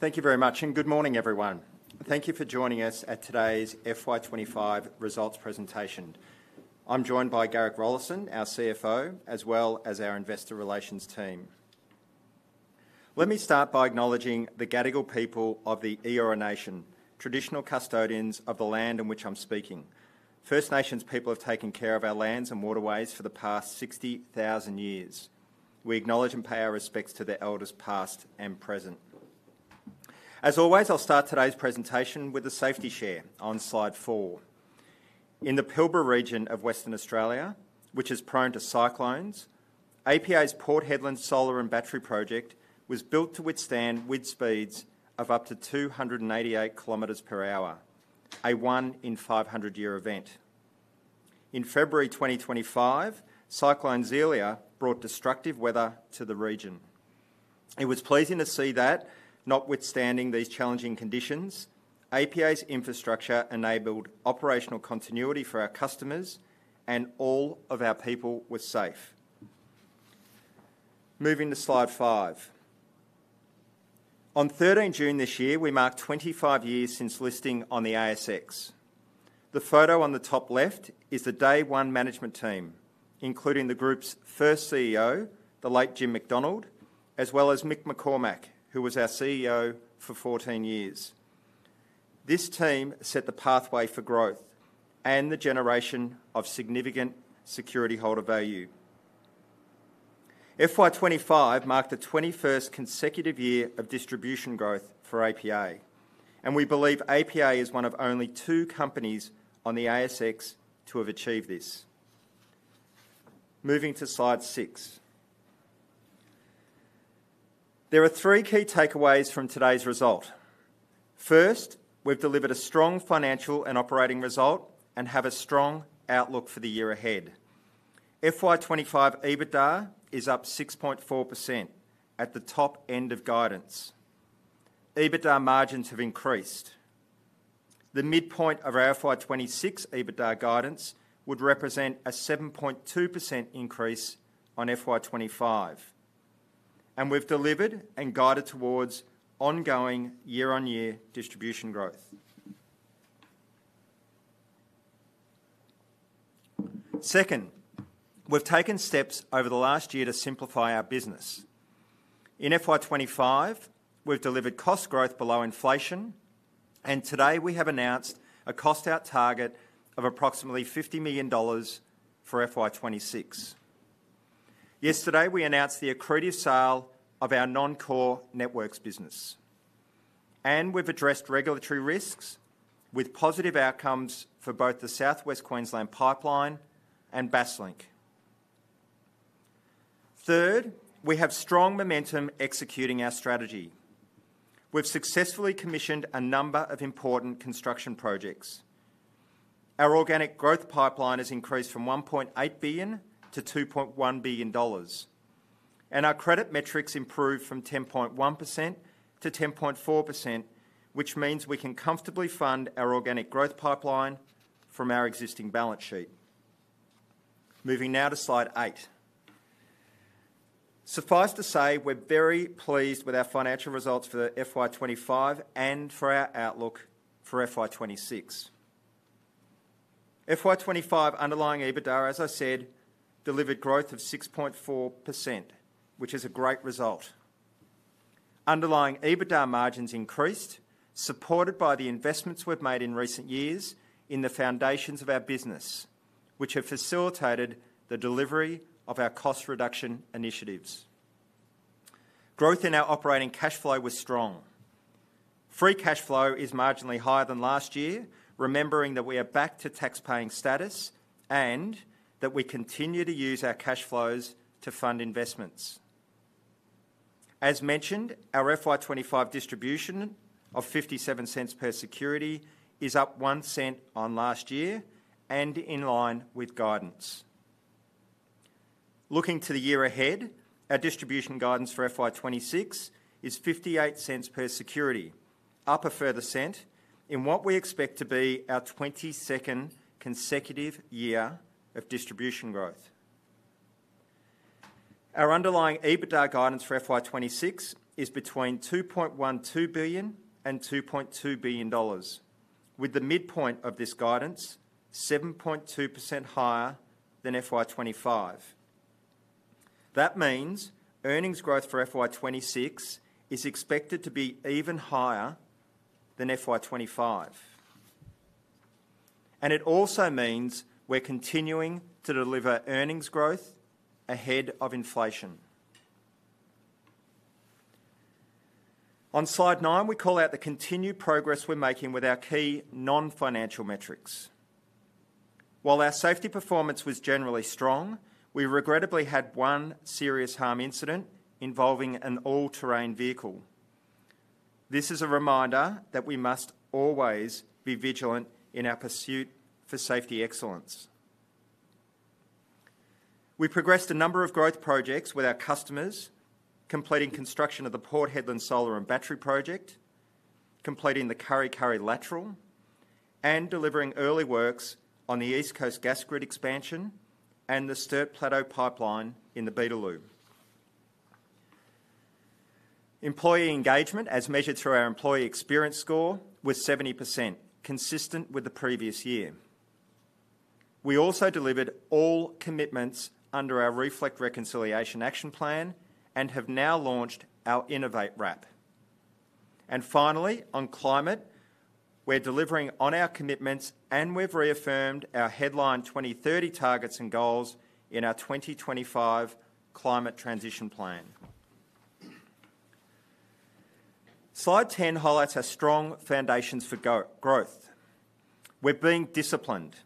Thank you very much, and good morning, everyone. Thank you for joining us at today's FY 2025 results presentation. I'm joined by Garrick Rollason, our CFO, as well as our Investor Relations team. Let me start by acknowledging the Gadigal people of the Eora Nation, traditional custodians of the land on which I'm speaking. First Nations people have taken care of our lands and waterways for the past 60,000 years. We acknowledge and pay our respects to their elders past and present. As always, I'll start today's presentation with a safety share on slide four. In the Pilbara region of Western Australia, which is prone to cyclones, APA's Port Hedland Solar and Battery Project was built to withstand wind speeds of up to 288 kilometers per hour, a one in 500-year event. In February 2025, Cyclone Zelia brought destructive weather to the region. It was pleasing to see that, notwithstanding these challenging conditions, APA's infrastructure enabled operational continuity for our customers, and all of our people were safe. Moving to slide five. On 13th of June this year, we marked 25 years since listing on the ASX. The photo on the top left is the day-one management team, including the group's first CEO, the late Jim McDonald, as well as Mick McCormack, who was our CEO for 14 years. This team set the pathway for growth and the generation of significant security holder value. FY 2025 marked the 21st consecutive year of distribution growth for APA, and we believe APA is one of only two companies on the ASX to have achieved this. Moving to slide six. There are three key takeaways from today's result. First, we've delivered a strong financial and operating result and have a strong outlook for the year ahead. FY 2025 EBITDA is up 6.4% at the top end of guidance. EBITDA margins have increased. The midpoint of our FY 2026 EBITDA guidance would represent a 7.2% increase on FY 2025. We've delivered and guided towards ongoing year-on-year distribution growth. Second, we've taken steps over the last year to simplify our business. In FY 2025, we've delivered cost growth below inflation, and today we have announced a cost-out target of approximately 50 million dollars for FY 2026. Yesterday, we announced the accredited sale of our non-core networks business. We've addressed regulatory risks with positive outcomes for both the South West Queensland Pipeline and Basslink. Third, we have strong momentum executing our strategy. We've successfully commissioned a number of important construction projects. Our organic growth pipeline has increased from 1.8 billion to 2.1 billion dollars. Our credit metrics improved from 10.1% to 10.4%, which means we can comfortably fund our organic growth pipeline from our existing balance sheet. Moving now to slide eight. Suffice to say, we're very pleased with our financial results for the FY 2025 and for our outlook for FY 2026. FY 2025 underlying EBITDA, as I said, delivered growth of 6.4%, which is a great result. Underlying EBITDA margins increased, supported by the investments we've made in recent years in the foundations of our business, which have facilitated the delivery of our cost reduction initiatives. Growth in our operating cash flow was strong. Free cash flow is marginally higher than last year, remembering that we are back to tax-paying status and that we continue to use our cash flows to fund investments. As mentioned, our FY 2025 distribution of 0.57 per security is up 0.01 on last year and in line with guidance. Looking to the year ahead, our distribution guidance for FY 2026 is 0.58 per security, up a further AUD 0.01 in what we expect to be our 22nd consecutive year of distribution growth. Our underlying EBITDA guidance for FY 2026 is between 2.12 billion and 2.2 billion dollars, with the midpoint of this guidance 7.2% higher than FY 2025. That means earnings growth for FY 2026 is expected to be even higher than FY 2025. It also means we're continuing to deliver earnings growth ahead of inflation. On slide nine, we call out the continued progress we're making with our key non-financial metrics. While our safety performance was generally strong, we regrettably had one serious harm incident involving an all-terrain vehicle. This is a reminder that we must always be vigilant in our pursuit for safety excellence. We progressed a number of growth projects with our customers, completing construction of the Port Hedland Solar and Battery Project, completing the Kurri Kurri Lateral, and delivering early works on the East Coast gas grid expansion and the Sturt Plateau Pipeline in the Beetaloo. Employee engagement, as measured through our Employee Experience Score, was 70%, consistent with the previous year. We also delivered all commitments under our Reflect Reconciliation Action Plan and have now launched our Innovate wrap. Finally, on climate, we're delivering on our commitments and we've reaffirmed our Headline 2030 targets and goals in our 2025 Climate Transition Plan. Slide 10 highlights our strong foundations for growth. We're being disciplined,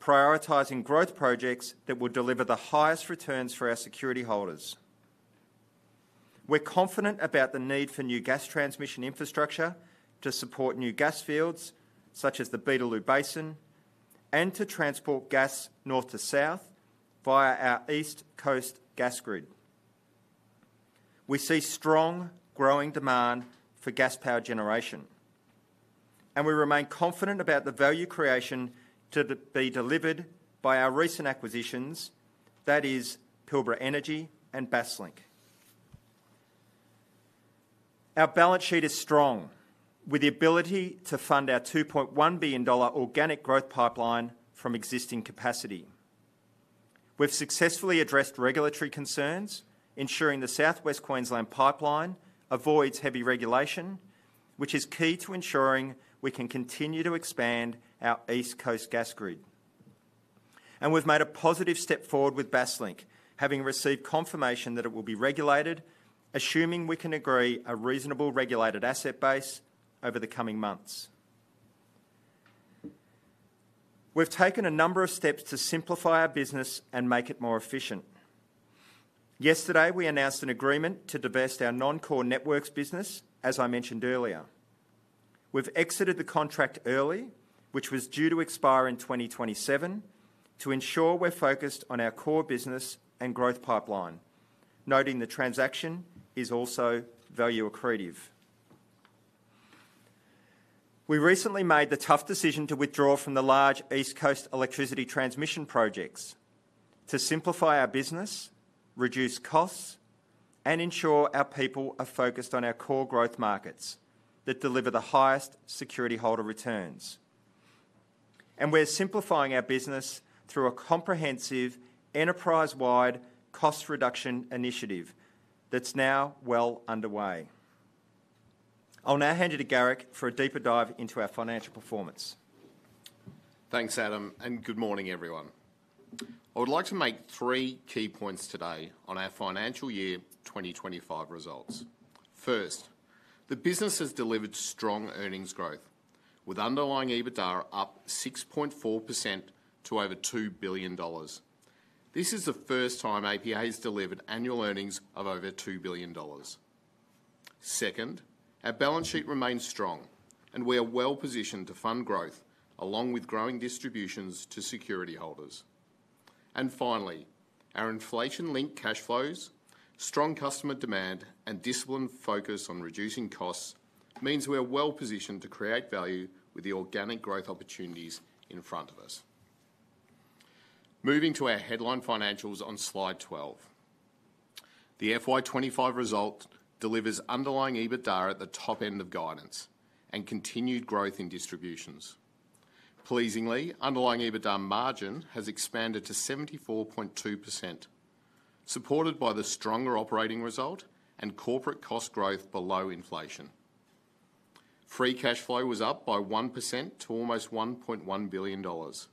prioritizing growth projects that will deliver the highest returns for our security holders. We're confident about the need for new gas transmission infrastructure to support new gas fields, such as the Beetaloo Basin, and to transport gas north to south via our East Coast gas grid. We see strong growing demand for gas power generation. We remain confident about the value creation to be delivered by our recent acquisitions, that is Pilbara Energy and Basslink. Our balance sheet is strong, with the ability to fund our 2.1 billion dollar organic growth pipeline from existing capacity. We've successfully addressed regulatory concerns, ensuring the South West Queensland Pipeline avoids heavy regulation, which is key to ensuring we can continue to expand our East Coast gas grid. We've made a positive step forward with Basslink, having received confirmation that it will be regulated, assuming we can agree a reasonable regulated asset base over the coming months. We've taken a number of steps to simplify our business and make it more efficient. Yesterday, we announced an agreement to divest our non-core networks business, as I mentioned earlier. We've exited the contract early, which was due to expire in 2027, to ensure we're focused on our core business and growth pipeline, noting the transaction is also value accretive. We recently made the tough decision to withdraw from the large East Coast electricity transmission projects to simplify our business, reduce costs, and ensure our people are focused on our core growth markets that deliver the highest security holder returns. We're simplifying our business through a comprehensive enterprise-wide cost reduction initiative that's now well underway. I'll now hand you to Garrick for a deeper dive into our financial performance. Thanks, Adam, and good morning, everyone. I would like to make three key points today on our financial year 2025 results. First, the business has delivered strong earnings growth, with underlying EBITDA up 6.4% to over 2 billion dollars. This is the first time APA has delivered annual earnings of over 2 billion dollars. Second, our balance sheet remains strong, and we are well positioned to fund growth, along with growing distributions to security holders. Finally, our inflation-linked cash flows, strong customer demand, and disciplined focus on reducing costs mean we are well positioned to create value with the organic growth opportunities in front of us. Moving to our headline financials on slide 12. The FY 2025 result delivers underlying EBITDA at the top end of guidance and continued growth in distributions. Pleasingly, underlying EBITDA margin has expanded to 74.2%, supported by the stronger operating result and corporate cost growth below inflation. Free cash flow was up by 1% to almost 1.1 billion dollars.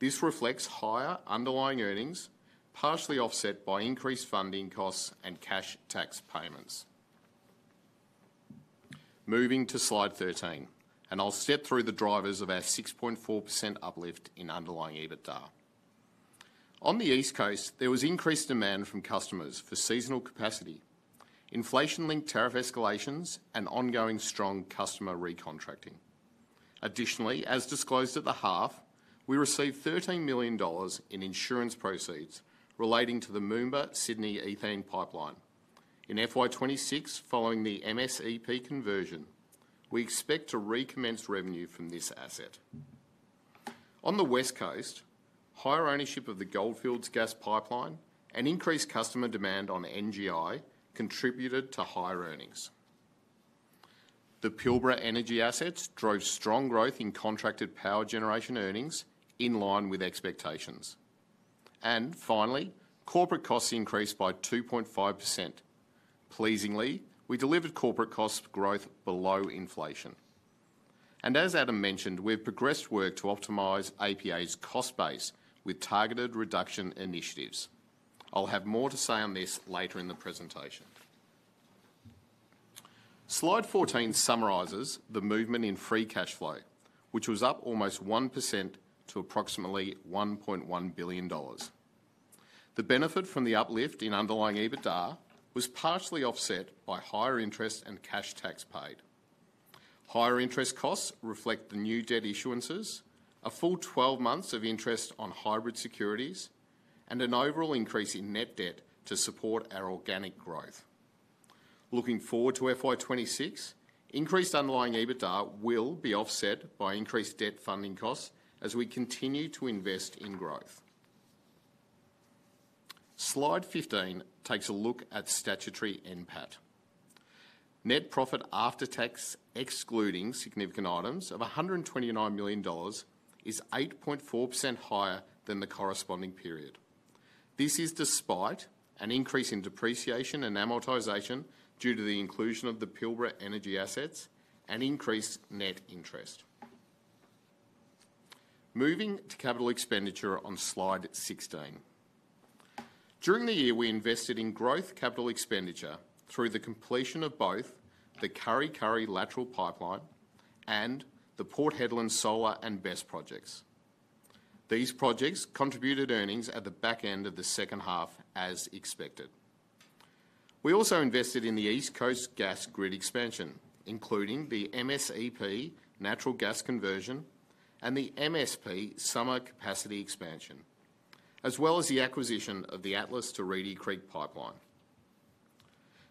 This reflects higher underlying earnings, partially offset by increased funding costs and cash tax payments. Moving to slide 13, I'll step through the drivers of our 6.4% uplift in underlying EBITDA. On the East Coast, there was increased demand from customers for seasonal capacity, inflation-linked tariff escalations, and ongoing strong customer recontracting. Additionally, as disclosed at the half, we received 13 million dollars in insurance proceeds relating to the Moomba Sydney Ethane Pipeline. In FY 2026, following the MSEP conversion, we expect to recommence revenue from this asset. On the West Coast, higher ownership of the Goldfields Gas Pipeline and increased customer demand on NGI contributed to higher earnings. The Pilbara Energy assets drove strong growth in contracted power generation earnings, in line with expectations. Corporate costs increased by 2.5%. Pleasingly, we delivered corporate cost growth below inflation. As Adam mentioned, we've progressed work to optimize APA's cost base with targeted reduction initiatives. I'll have more to say on this later in the presentation. Slide 14 summarizes the movement in free cash flow, which was up almost 1% to approximately 1.1 billion dollars. The benefit from the uplift in underlying EBITDA was partially offset by higher interest and cash tax paid. Higher interest costs reflect the new debt issuances, a full 12 months of interest on hybrid securities, and an overall increase in net debt to support our organic growth. Looking forward to FY 2026, increased underlying EBITDA will be offset by increased debt funding costs as we continue to invest in growth. Slide 15 takes a look at statutory impact. Net profit after tax, excluding significant items, of 129 million dollars is 8.4% higher than the corresponding period. This is despite an increase in depreciation and amortization due to the inclusion of the Pilbara Energy assets and increased net interest. Moving to capital expenditure on slide 16. During the year, we invested in growth capital expenditure through the completion of both the Kurri Kurri Lateral Pipeline and the Port Hedland Solar and BESS projects. These projects contributed earnings at the back end of the second half, as expected. We also invested in the East Coast gas grid expansion, including the MSEP natural gas conversion and the MSP summer capacity expansion, as well as the acquisition of the Atlas to Reedy Creek pipeline.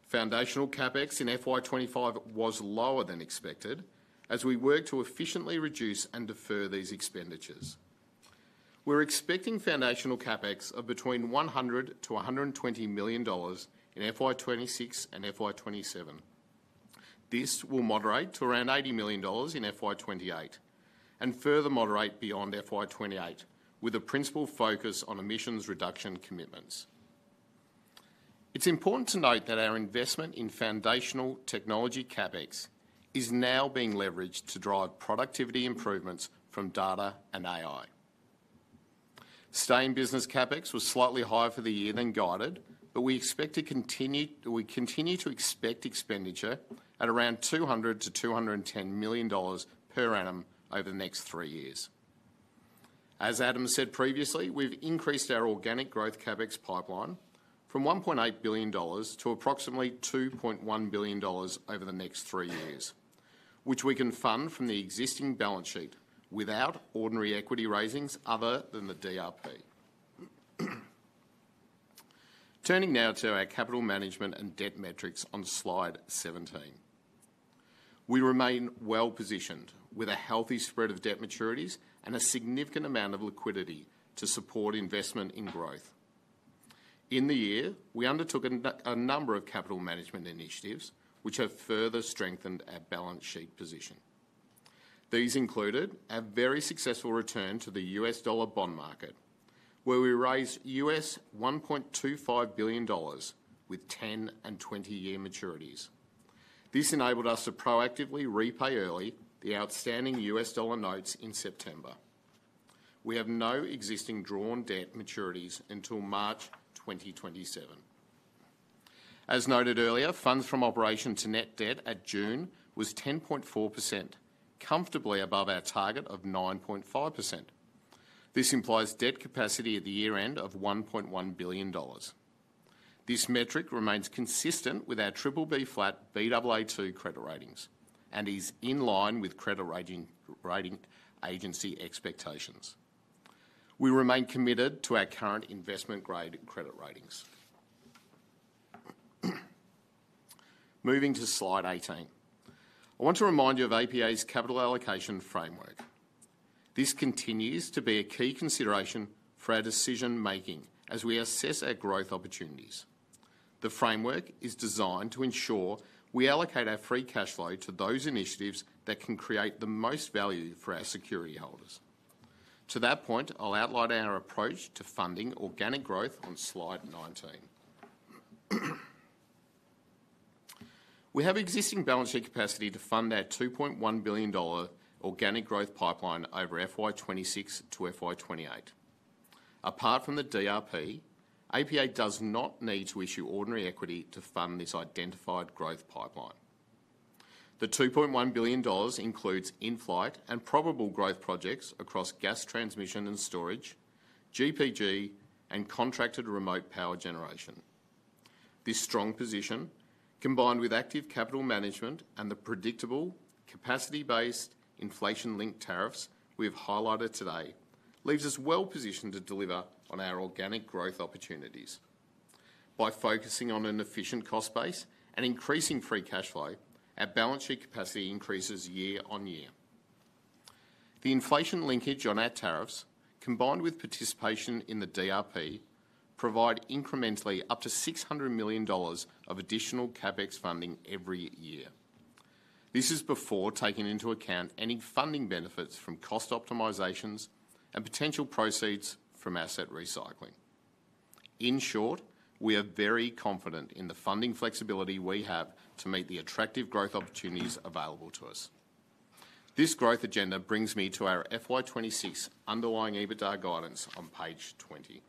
Foundational CapEx in FY 2025 was lower than expected as we worked to efficiently reduce and defer these expenditures. We're expecting foundational CapEx of between 100 million-120 million dollars in FY 2026 and FY 2027. This will moderate to around 80 million dollars in FY 2028 and further moderate beyond FY 2028, with a principal focus on emissions reduction commitments. It's important to note that our investment in foundational technology CapEx is now being leveraged to drive productivity improvements from data and AI. Sustained business CapEx was slightly higher for the year than guided, but we expect to continue to expect expenditure at around 200 million-210 million dollars per annum over the next three years. As Adam said previously, we've increased our organic growth CapEx pipeline from 1.8 billion dollars to approximately 2.1 billion dollars over the next three years, which we can fund from the existing balance sheet without ordinary equity raisings other than the DRP. Turning now to our capital management and debt metrics on slide 17. We remain well positioned with a healthy spread of debt maturities and a significant amount of liquidity to support investment in growth. In the year, we undertook a number of capital management initiatives which have further strengthened our balance sheet position. These included a very successful return to the U.S. dollar bond market, where we raised $1.25 billion with 10-year and 20-year maturities. This enabled us to proactively repay early the outstanding U.S. dollar notes in September. We have no existing drawn debt maturities until March 2027. As noted earlier, funds from operation to net debt at June was 10.4%, comfortably above our target of 9.5%. This implies debt capacity at the year end of 1.1 billion dollars. This metric remains consistent with our BBB flat Baa2 credit ratings and is in line with credit rating agency expectations. We remain committed to our current investment-grade credit ratings. Moving to slide 18, I want to remind you of APA's capital allocation framework. This continues to be a key consideration for our decision-making as we assess our growth opportunities. The framework is designed to ensure we allocate our free cash flow to those initiatives that can create the most value for our security holders. To that point, I'll outline our approach to funding organic growth on slide 19. We have existing balance sheet capacity to fund our 2.1 billion dollar organic growth pipeline over FY 2026-FY 2028. Apart from the DRP, APA does not need to issue ordinary equity to fund this identified growth pipeline. The 2.1 billion dollars includes in-flight and probable growth projects across gas transmission and storage, GPG, and contracted remote power generation. This strong position, combined with active capital management and the predictable capacity-based inflation-linked tariffs we have highlighted today, leaves us well positioned to deliver on our organic growth opportunities. By focusing on an efficient cost base and increasing free cash flow, our balance sheet capacity increases year on year. The inflation linkage on our tariffs, combined with participation in the DRP, provide incrementally up to 600 million dollars of additional CapEx funding every year. This is before taking into account any funding benefits from cost optimizations and potential proceeds from asset recycling. In short, we are very confident in the funding flexibility we have to meet the attractive growth opportunities available to us. This growth agenda brings me to our FY 2026 underlying EBITDA guidance on page 20.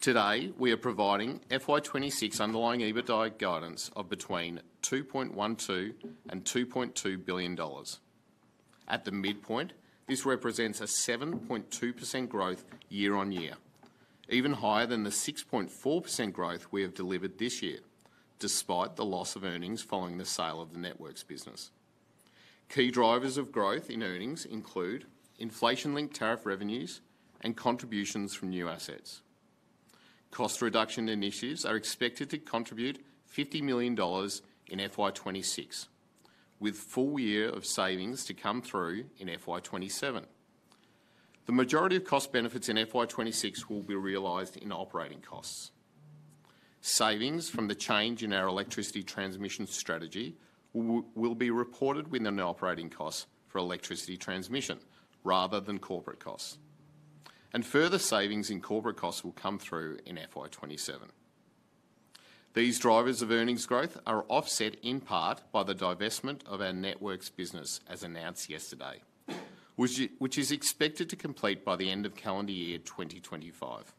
Today, we are providing FY 2026 underlying EBITDA guidance of between 2.12 and 2.2 billion dollars. At the midpoint, this represents a 7.2% growth year on year, even higher than the 6.4% growth we have delivered this year, despite the loss of earnings following the sale of the networks business. Key drivers of growth in earnings include inflation-linked tariff revenues and contributions from new assets. Cost reduction initiatives are expected to contribute 50 million dollars in FY 2026, with a full year of savings to come through in FY 2027. The majority of cost benefits in FY 2026 will be realized in operating costs. Savings from the change in our electricity transmission strategy will be reported within the operating costs for electricity transmission, rather than corporate costs. Further savings in corporate costs will come through in FY 2027. These drivers of earnings growth are offset in part by the divestment of our networks business, as announced yesterday, which is expected to complete by the end of calendar year 2025.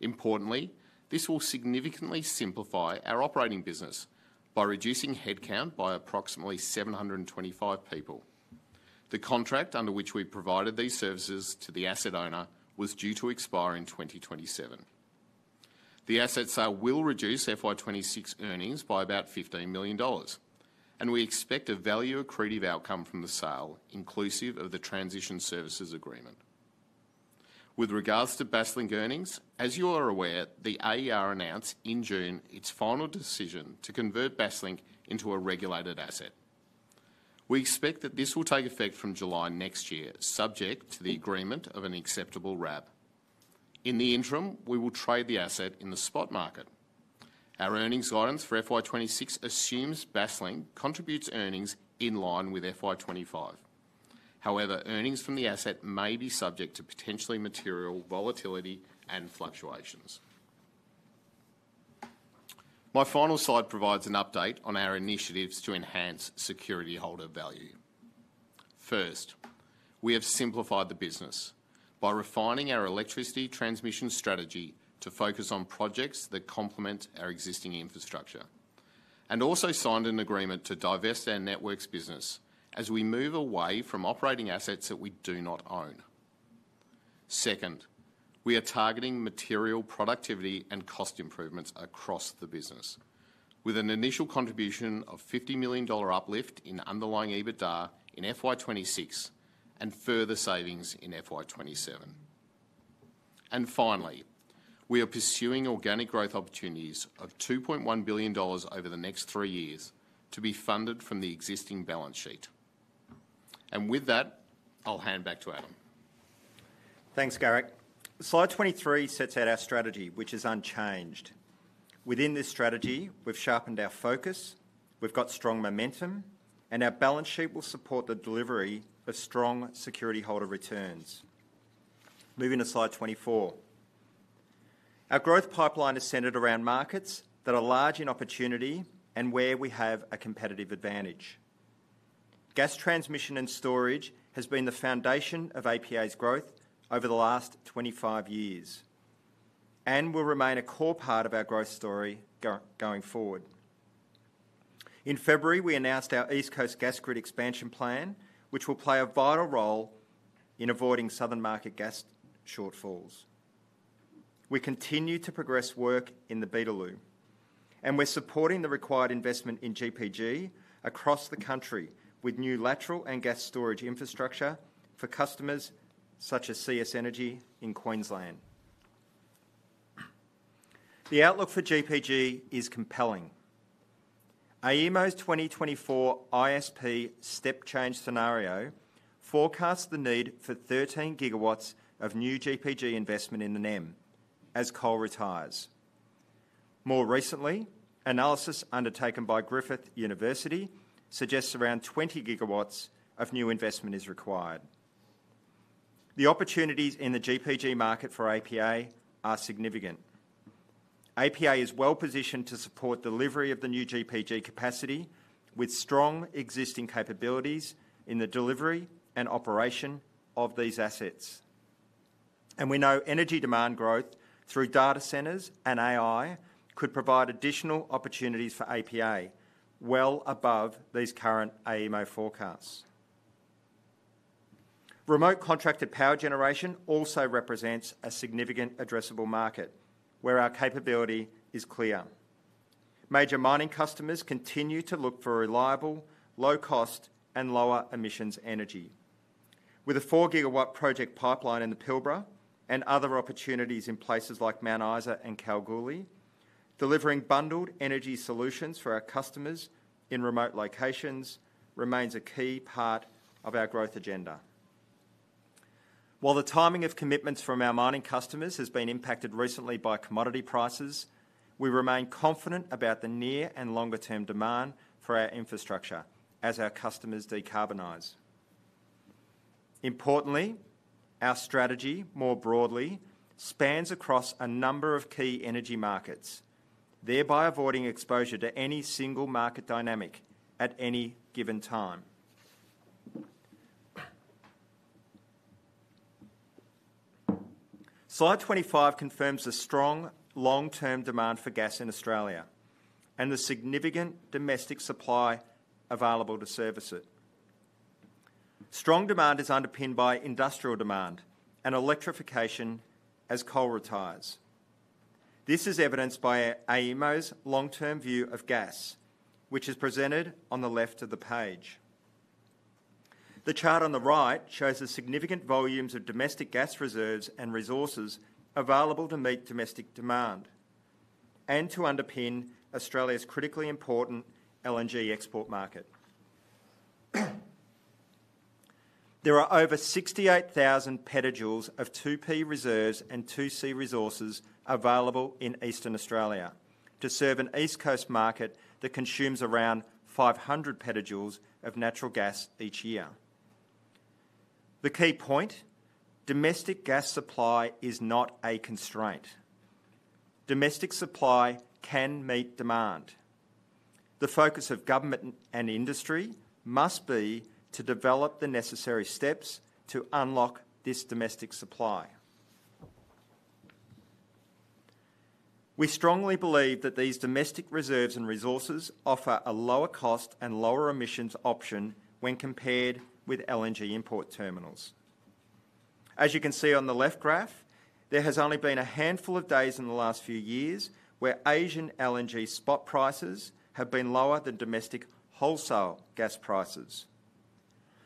Importantly, this will significantly simplify our operating business by reducing headcount by approximately 725 people. The contract under which we provided these services to the asset owner was due to expire in 2027. The asset sale will reduce FY 2026 earnings by about 15 million dollars, and we expect a value accretive outcome from the sale, inclusive of the transition services agreement. With regards to Basslink earnings, as you are aware, the AER announced in June its final decision to convert Basslink into a regulated asset. We expect that this will take effect from July next year, subject to the agreement of an acceptable wrap. In the interim, we will trade the asset in the spot market. Our earnings guidance for FY 2026 assumes Basslink contributes earnings in line with FY 2025. However, earnings from the asset may be subject to potentially material volatility and fluctuations. My final slide provides an update on our initiatives to enhance security holder value. First, we have simplified the business by refining our electricity transmission strategy to focus on projects that complement our existing infrastructure and also signed an agreement to divest our networks business as we move away from operating assets that we do not own. Second, we are targeting material productivity and cost improvements across the business, with an initial contribution of 50 million dollar uplift in underlying EBITDA in FY 2026 and further savings in FY 2027. Finally, we are pursuing organic growth opportunities of 2.1 billion dollars over the next three years to be funded from the existing balance sheet. With that, I'll hand back to Adam. Thanks, Garrick. Slide 23 sets out our strategy, which is unchanged. Within this strategy, we've sharpened our focus, we've got strong momentum, and our balance sheet will support the delivery of strong security holder returns. Moving to slide 24. Our growth pipeline is centered around markets that are large in opportunity and where we have a competitive advantage. Gas transmission and storage has been the foundation of APA's growth over the last 25 years and will remain a core part of our growth story going forward. In February, we announced our East Coast gas grid expansion plan, which will play a vital role in avoiding southern market gas shortfalls. We continue to progress work in the Beetaloo, and we're supporting the required investment in GPG across the country with new lateral and gas storage infrastructure for customers such as CS Energy in Queensland. The outlook for GPG is compelling. AEMO's 2024 ISP step change scenario forecasts the need for 13 GW of new GPG investment in the NEM as coal retires. More recently, analysis undertaken by Griffith University suggests around 20 GW of new investment is required. The opportunities in the GPG market for APA are significant. APA is well positioned to support delivery of the new GPG capacity with strong existing capabilities in the delivery and operation of these assets. We know energy demand growth through data centers and AI could provide additional opportunities for APA well above these current AEMO forecasts. Remote contracted power generation also represents a significant addressable market where our capability is clear. Major mining customers continue to look for reliable, low-cost and lower emissions energy. With a 4 GW project pipeline in the Pilbara and other opportunities in places like Mount Isa and Kalgoorlie, delivering bundled energy solutions for our customers in remote locations remains a key part of our growth agenda. While the timing of commitments from our mining customers has been impacted recently by commodity prices, we remain confident about the near and longer-term demand for our infrastructure as our customers decarbonize. Importantly, our strategy more broadly spans across a number of key energy markets, thereby avoiding exposure to any single market dynamic at any given time. Slide 25 confirms a strong long-term demand for gas in Australia and the significant domestic supply available to service it. Strong demand is underpinned by industrial demand and electrification as coal retires. This is evidenced by AEMO's long-term view of gas, which is presented on the left of the page. The chart on the right shows the significant volumes of domestic gas reserves and resources available to meet domestic demand and to underpin Australia's critically important LNG export market. There are over 68,000 petajoules of 2P reserves and 2C resources available in Eastern Australia to serve an East Coast market that consumes around 500 petajoules of natural gas each year. The key point: domestic gas supply is not a constraint. Domestic supply can meet demand. The focus of government and industry must be to develop the necessary steps to unlock this domestic supply. We strongly believe that these domestic reserves and resources offer a lower cost and lower emissions option when compared with LNG import terminals. As you can see on the left graph, there has only been a handful of days in the last few years where Asian LNG spot prices have been lower than domestic wholesale gas prices.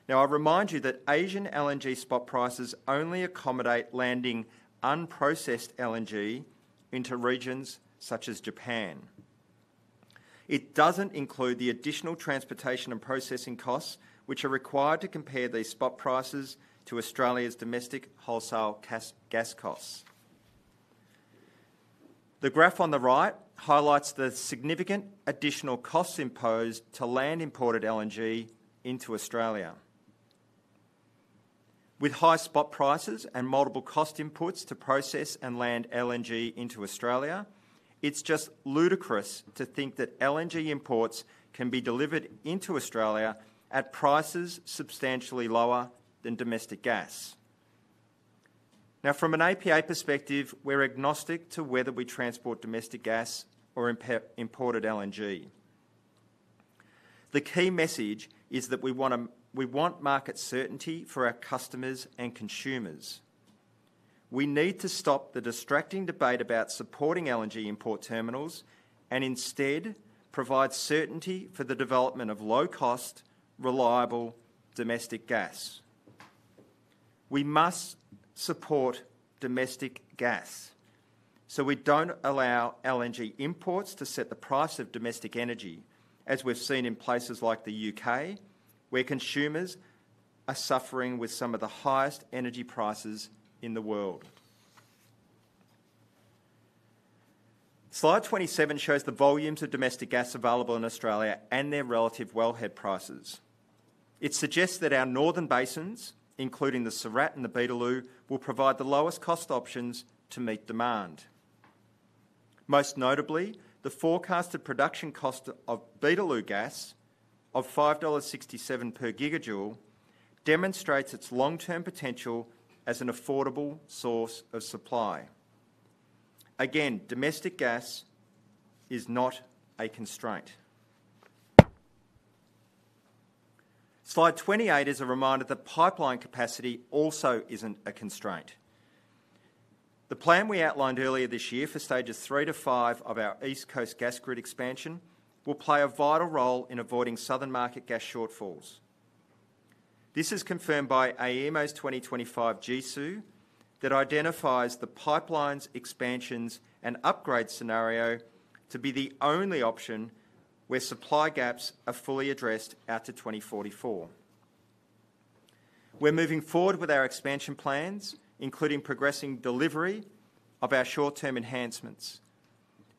Now, I remind you that Asian LNG spot prices only accommodate landing unprocessed LNG into regions such as Japan. It doesn't include the additional transportation and processing costs which are required to compare these spot prices to Australia's domestic wholesale gas costs. The graph on the right highlights the significant additional costs imposed to land imported LNG into Australia. With high spot prices and multiple cost inputs to process and land LNG into Australia, it's just ludicrous to think that LNG imports can be delivered into Australia at prices substantially lower than domestic gas. Now, from an APA perspective, we're agnostic to whether we transport domestic gas or imported LNG. The key message is that we want market certainty for our customers and consumers. We need to stop the distracting debate about supporting LNG import terminals and instead provide certainty for the development of low-cost, reliable domestic gas. We must support domestic gas so we don't allow LNG imports to set the price of domestic energy, as we've seen in places like the UK where consumers are suffering with some of the highest energy prices in the world. Slide 27 shows the volumes of domestic gas available in Australia and their relative wellhead prices. It suggests that our northern basins, including the Surat and the Beetaloo, will provide the lowest cost options to meet demand. Most notably, the forecasted production cost of Beetaloo gas of 5.67 dollars per gigajoule demonstrates its long-term potential as an affordable source of supply. Again, domestic gas is not a constraint. Slide 28 is a reminder that pipeline capacity also isn't a constraint. The plan we outlined earlier this year for stages three to five of our East Coast gas grid expansion will play a vital role in avoiding southern market gas shortfalls. This is confirmed by AEMO's 2025 GSOO that identifies the pipeline's expansions and upgrade scenario to be the only option where supply gaps are fully addressed out to 2044. We're moving forward with our expansion plans, including progressing delivery of our short-term enhancements.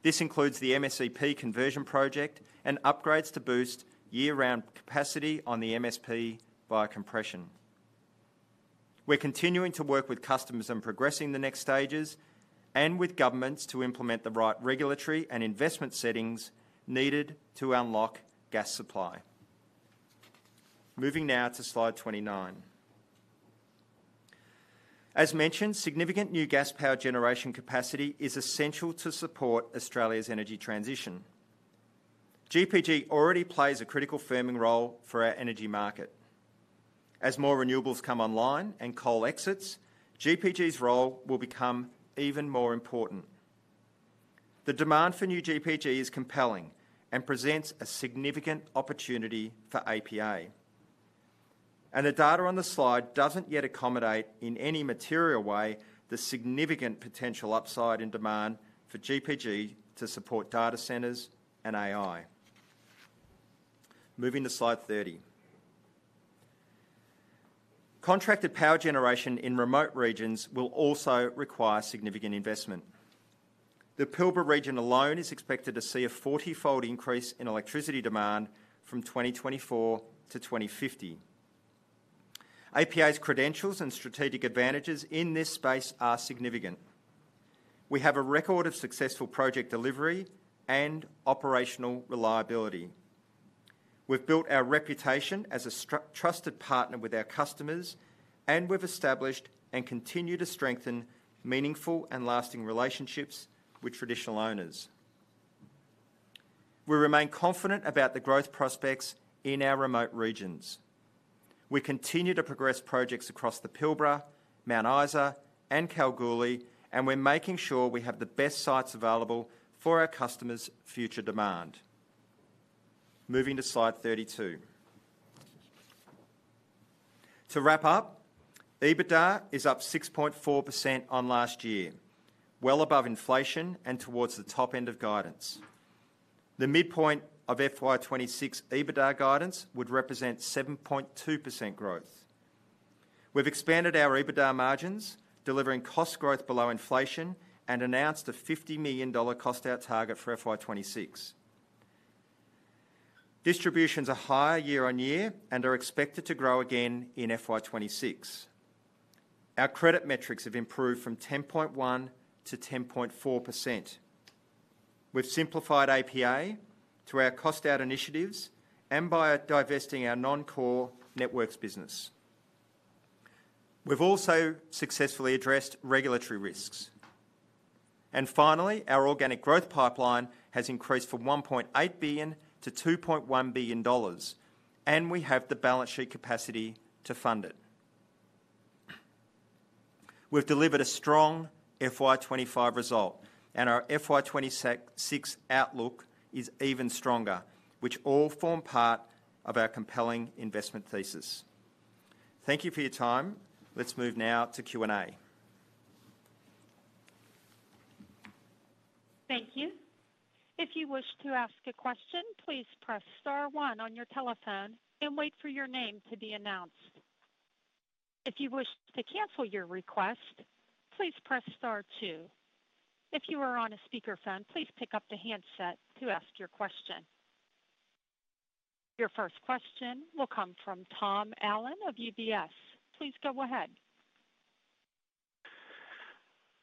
This includes the MSEP conversion project and upgrades to boost year-round capacity on the MSP via compression. We're continuing to work with customers on progressing the next stages and with governments to implement the right regulatory and investment settings needed to unlock gas supply. Moving now to slide 29. As mentioned, significant new gas power generation capacity is essential to support Australia's energy transition. GPG already plays a critical firming role for our energy market. As more renewables come online and coal exits, GPG's role will become even more important. The demand for new GPG is compelling and presents a significant opportunity for APA. The data on the slide doesn't yet accommodate in any material way the significant potential upside in demand for GPG to support data centers and AI. Moving to slide 30. Contracted power generation in remote regions will also require significant investment. The Pilbara region alone is expected to see a 40-fold increase in electricity demand from 2024 to 2050. APA's credentials and strategic advantages in this space are significant. We have a record of successful project delivery and operational reliability. We've built our reputation as a trusted partner with our customers, and we've established and continue to strengthen meaningful and lasting relationships with traditional owners. We remain confident about the growth prospects in our remote regions. We continue to progress projects across the Pilbara, Mount Isa, and Kalgoorlie, and we're making sure we have the best sites available for our customers' future demand. Moving to slide 32. To wrap up, EBITDA is up 6.4% on last year, well above inflation and towards the top end of guidance. The midpoint of FY 2026 EBITDA guidance would represent 7.2% growth. We've expanded our EBITDA margins, delivering cost growth below inflation, and announced a 50 million dollar cost-out target for FY 2026. Distributions are higher year on year and are expected to grow again in FY 2026. Our credit metrics have improved from 10.1% to 10.4%. We've simplified APA through our cost-out initiatives and by divesting our non-core networks business. We've also successfully addressed regulatory risks. Finally, our organic growth pipeline has increased from 1.8 billion to 2.1 billion dollars, and we have the balance sheet capacity to fund it. We've delivered a strong FY 2025 result, and our FY 2026 outlook is even stronger, which all form part of our compelling investment thesis. Thank you for your time. Let's move now to Q&A. Thank you. If you wish to ask a question, please press star one on your telephone and wait for your name to be announced. If you wish to cancel your request, please press star two. If you are on a speakerphone, please pick up the handset to ask your question. Your first question will come from Tom Allen of UBS. Please go ahead.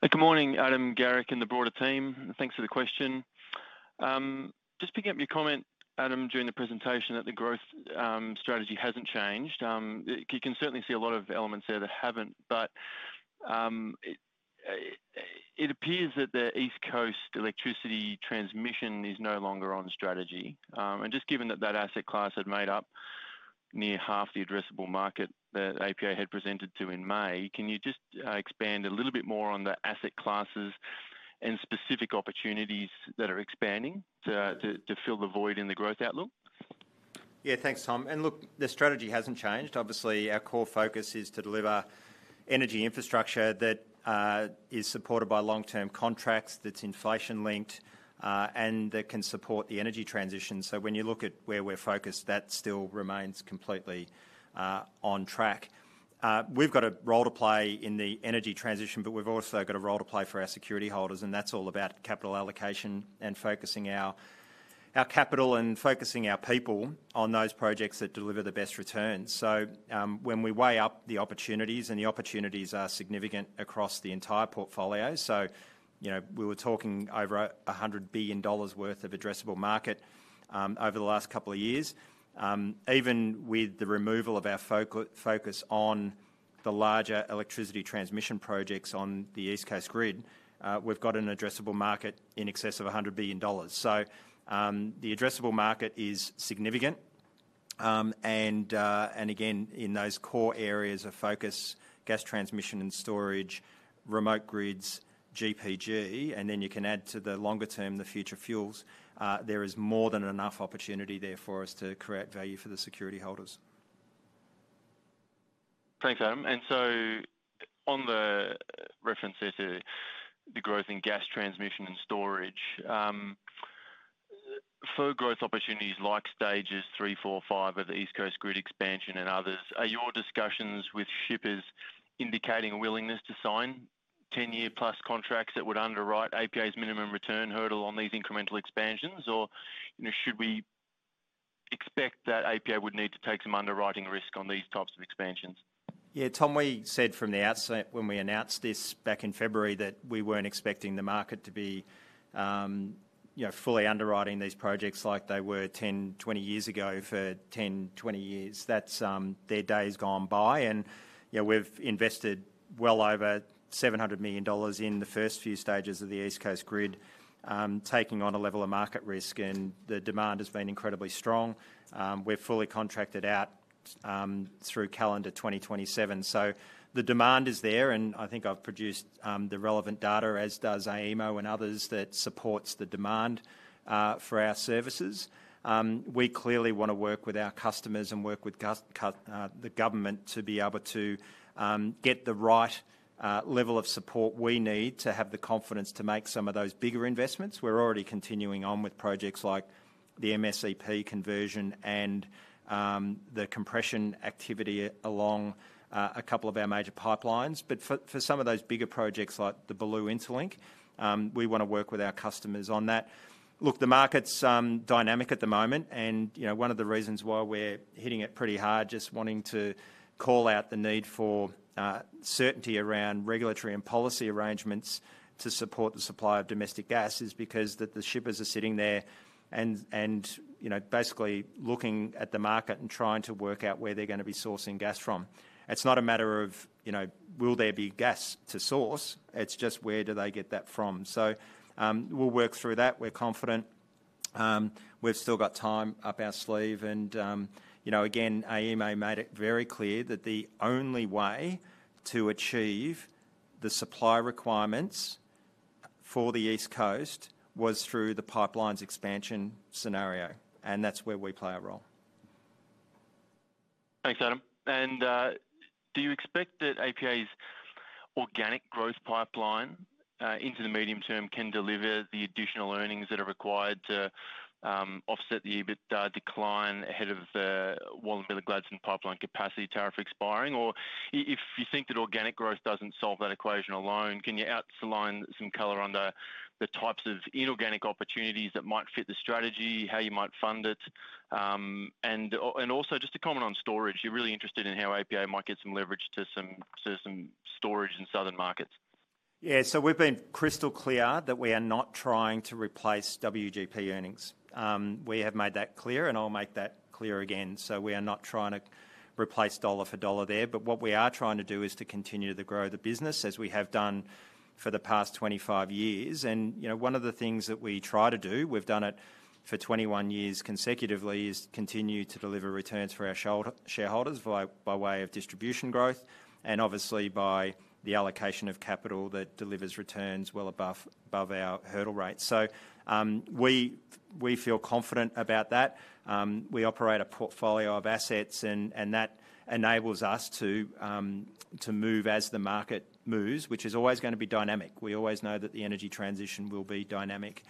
Good morning, Adam, Garrick, and the broader team. Thanks for the question. Just picking up your comment, Adam, during the presentation that the growth strategy hasn't changed. You can certainly see a lot of elements there that haven't, but it appears that the East Coast electricity transmission is no longer on strategy. Given that that asset class had made up near half the addressable market that APA had presented to in May, can you just expand a little bit more on the asset classes and specific opportunities that are expanding to fill the void in the growth outlook? Yeah, thanks, Tom. The strategy hasn't changed. Obviously, our core focus is to deliver energy infrastructure that is supported by long-term contracts, that's inflation-linked, and that can support the energy transition. When you look at where we're focused, that still remains completely on track. We've got a role to play in the energy transition, but we've also got a role to play for our security holders, and that's all about capital allocation and focusing our capital and focusing our people on those projects that deliver the best returns. When we weigh up the opportunities, and the opportunities are significant across the entire portfolio, you know we were talking over 100 billion dollars worth of addressable market over the last couple of years. Even with the removal of our focus on the larger electricity transmission projects on the East Coast grid, we've got an addressable market in excess of 100 billion dollars. The addressable market is significant. In those core areas of focus, gas transmission and storage, remote grids, GPG, and then you can add to the longer term, the future fuels, there is more than enough opportunity there for us to create value for the security holders. Thanks, Adam. On the reference here to the growth in gas transmission and storage, for growth opportunities like stages three, four, five of the East Coast grid expansion and others, are your discussions with shippers indicating a willingness to sign 10-year plus contracts that would underwrite APA's minimum return hurdle on these incremental expansions, or should we expect that APA would need to take some underwriting risk on these types of expansions? Yeah, Tom, we said from the outset when we announced this back in February that we weren't expecting the market to be fully underwriting these projects like they were 10, 20 years ago for 10, 20 years. That's their day's gone by, and yeah, we've invested well over 700 million dollars in the first few stages of the East Coast grid, taking on a level of market risk, and the demand has been incredibly strong. We're fully contracted out through calendar 2027. The demand is there, and I think I've produced the relevant data, as does AEMO and others, that supports the demand for our services. We clearly want to work with our customers and work with the government to be able to get the right level of support we need to have the confidence to make some of those bigger investments. We're already continuing on with projects like the MSEP conversion and the compression activity along a couple of our major pipelines. For some of those bigger projects like the Bulloo Interlink, we want to work with our customers on that. The market's dynamic at the moment, and you know one of the reasons why we're hitting it pretty hard, just wanting to call out the need for certainty around regulatory and policy arrangements to support the supply of domestic gas, is because the shippers are sitting there and basically looking at the market and trying to work out where they're going to be sourcing gas from. It's not a matter of, you know, will there be gas to source? It's just where do they get that from? We'll work through that. We're confident we've still got time up our sleeve, and you know, again, AEMO made it very clear that the only way to achieve the supply requirements for the East Coast was through the pipeline's expansion scenario, and that's where we play a role. Thanks, Adam. Do you expect that APA's organic growth pipeline into the medium term can deliver the additional earnings that are required to offset the EBITDA decline ahead of the Wallumbilla and Ballera pipeline capacity tariff expiring? If you think that organic growth doesn't solve that equation alone, can you outline some color on the types of inorganic opportunities that might fit the strategy, how you might fund it? Also, just to comment on storage, I'm really interested in how APA might get some leverage to some storage in southern markets. Yeah, we have been crystal clear that we are not trying to replace WGP earnings. We have made that clear, and I'll make that clear again. We are not trying to replace dollar for dollar there, but what we are trying to do is to continue to grow the business as we have done for the past 25 years. One of the things that we try to do, we've done it for 21 years consecutively, is continue to deliver returns for our shareholders by way of distribution growth and obviously by the allocation of capital that delivers returns well above our hurdle rates. We feel confident about that. We operate a portfolio of assets, and that enables us to move as the market moves, which is always going to be dynamic. We always know that the energy transition will be dynamic.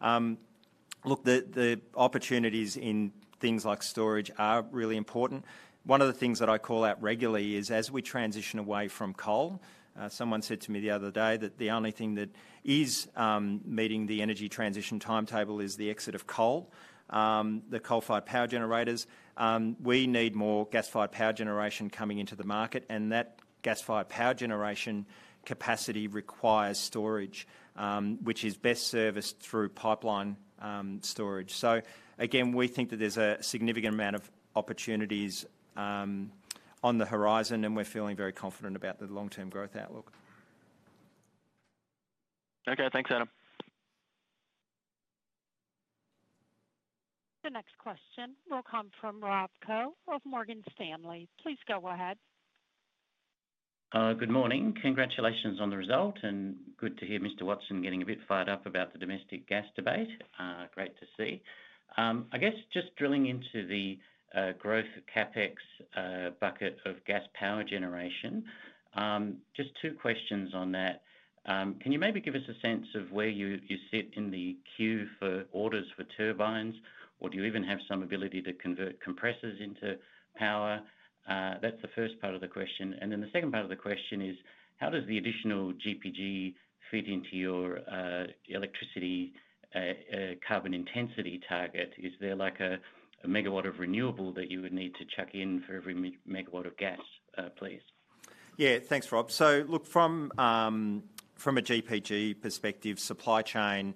The opportunities in things like storage are really important. One of the things that I call out regularly is as we transition away from coal, someone said to me the other day that the only thing that is meeting the energy transition timetable is the exit of coal, the coal-fired power generators. We need more gas-fired power generation coming into the market, and that gas-fired power generation capacity requires storage, which is best serviced through pipeline storage. We think that there's a significant amount of opportunities on the horizon, and we're feeling very confident about the long-term growth outlook. Okay, thanks, Adam. The next question will come from Rob Koh of Morgan Stanley. Please go ahead. Good morning. Congratulations on the result, and good to hear Mr. Watson getting a bit fired up about the domestic gas debate. Great to see. I guess just drilling into the growth CapEx bucket of gas power generation, just two questions on that. Can you maybe give us a sense of where you sit in the queue for orders for turbines, or do you even have some ability to convert compressors into power? That's the first part of the question. The second part of the question is, how does the additional GPG fit into your electricity carbon intensity target? Is there like a megawatt of renewable that you would need to chuck in for every megawatt of gas, please? Yeah, thanks, Rob. From a GPG perspective, supply chain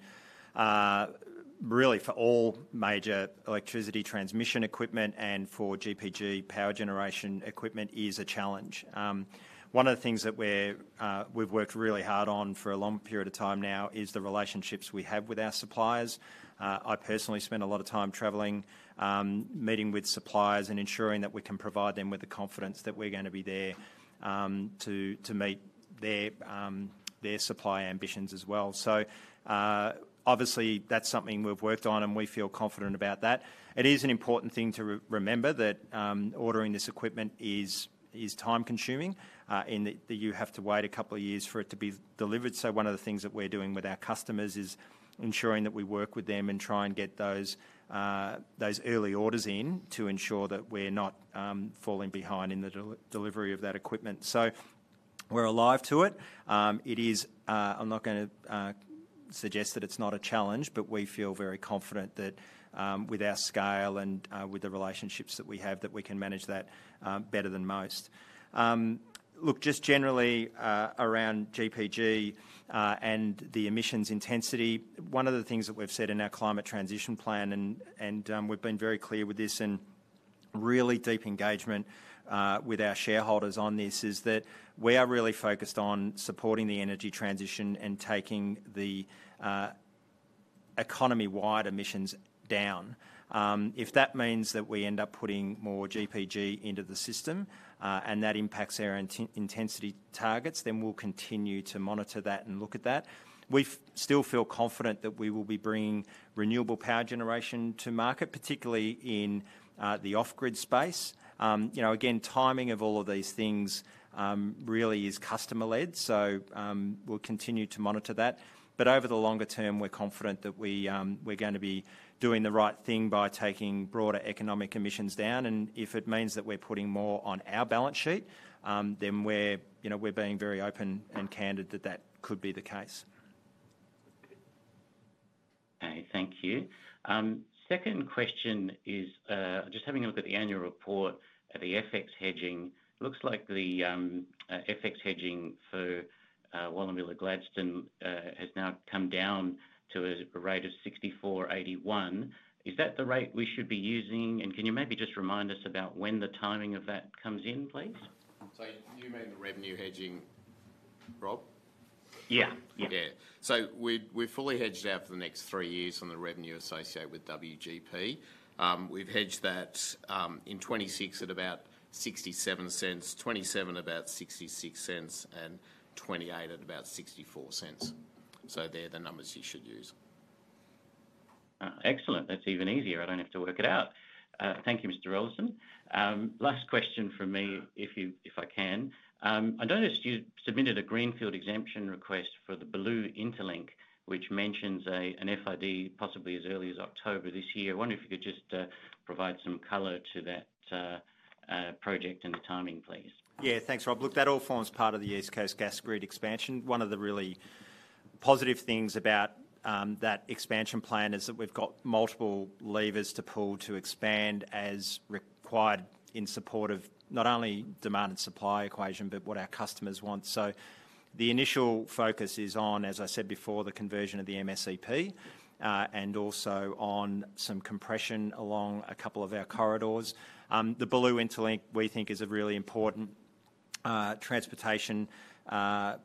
really for all major electricity transmission equipment and for GPG power generation equipment is a challenge. One of the things that we've worked really hard on for a long period of time now is the relationships we have with our suppliers. I personally spend a lot of time traveling, meeting with suppliers, and ensuring that we can provide them with the confidence that we're going to be there to meet their supply ambitions as well. Obviously, that's something we've worked on, and we feel confident about that. It is an important thing to remember that ordering this equipment is time-consuming, and that you have to wait a couple of years for it to be delivered. One of the things that we're doing with our customers is ensuring that we work with them and try and get those early orders in to ensure that we're not falling behind in the delivery of that equipment. We're alive to it. I'm not going to suggest that it's not a challenge, but we feel very confident that with our scale and with the relationships that we have, we can manage that better than most. Generally around GPG and the emissions intensity, one of the things that we've said in our climate transition plan, and we've been very clear with this and really deep engagement with our shareholders on this, is that we are really focused on supporting the energy transition and taking the economy-wide emissions down. If that means that we end up putting more GPG into the system and that impacts our intensity targets, then we'll continue to monitor that and look at that. We still feel confident that we will be bringing renewable power generation to market, particularly in the off-grid space. Again, timing of all of these things really is customer-led, so we'll continue to monitor that. Over the longer term, we're confident that we're going to be doing the right thing by taking broader economic emissions down. If it means that we're putting more on our balance sheet, then we're being very open and candid that that could be the case. Okay, thank you. Second question is just having a look at the annual report at the FX hedging. It looks like the FX hedging for Wallumbilla Gladstone has now come down to a rate of 64/81. Is that the rate we should be using, and can you maybe just remind us about when the timing of that comes in, please? You mean the revenue hedging, Rob? Yeah, yeah. We're fully hedged out for the next three years on the revenue associated with WGP. We've hedged that in 2026 at about 0.67, 2027 at about 0.66, and 2028 at about 0.64. They're the numbers you should use. Excellent, that's even easier. I don't have to work it out. Thank you, Mr. Rollason. Last question from me, if I can. I noticed you submitted a Greenfield Exemption request for the Bulloo Interlink, which mentions an FID possibly as early as October this year. I wonder if you could just provide some color to that project and the timing, please. Yeah, thanks, Rob. Look, that all forms part of the East Coast gas grid expansion. One of the really positive things about that expansion plan is that we've got multiple levers to pull to expand as required in support of not only demand and supply equation, but what our customers want. The initial focus is on, as I said before, the conversion of the MSEP and also on some compression along a couple of our corridors. The Bulloo Interlink, we think, is a really important transportation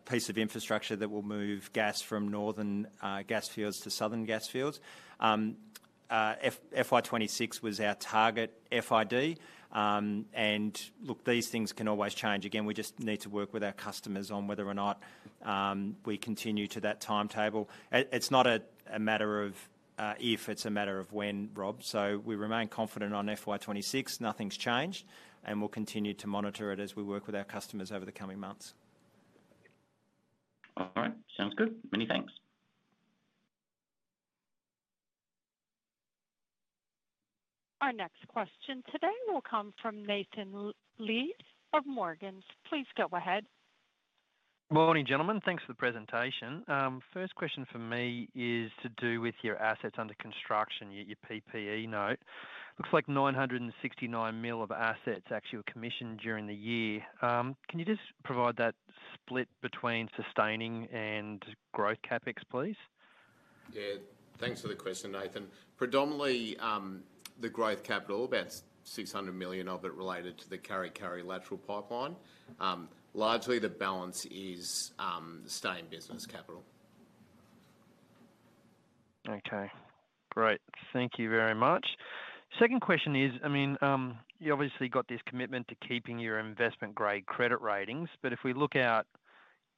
piece of infrastructure that will move gas from northern gas fields to southern gas fields. FY 2026 was our target FID, and these things can always change. We just need to work with our customers on whether or not we continue to that timetable. It's not a matter of if, it's a matter of when, Rob. We remain confident on FY 2026, nothing's changed, and we'll continue to monitor it as we work with our customers over the coming months. All right, sounds good. Many thanks. Our next question today will come from Nathan Lead of Morgans. Please go ahead. Morning, gentlemen. Thanks for the presentation. First question for me is to do with your assets under construction, your PPE note. Looks like 969 million of assets actually were commissioned during the year. Can you just provide that split between sustaining and growth CapEx, please? Yeah, thanks for the question, Nathan. Predominantly the growth capital, about 600 million of it related to the Kurri Kurri Lateral Pipeline. Largely, the balance is sustained business capital. Okay, great. Thank you very much. Second question is, I mean, you obviously got this commitment to keeping your investment-grade credit ratings, but if we look out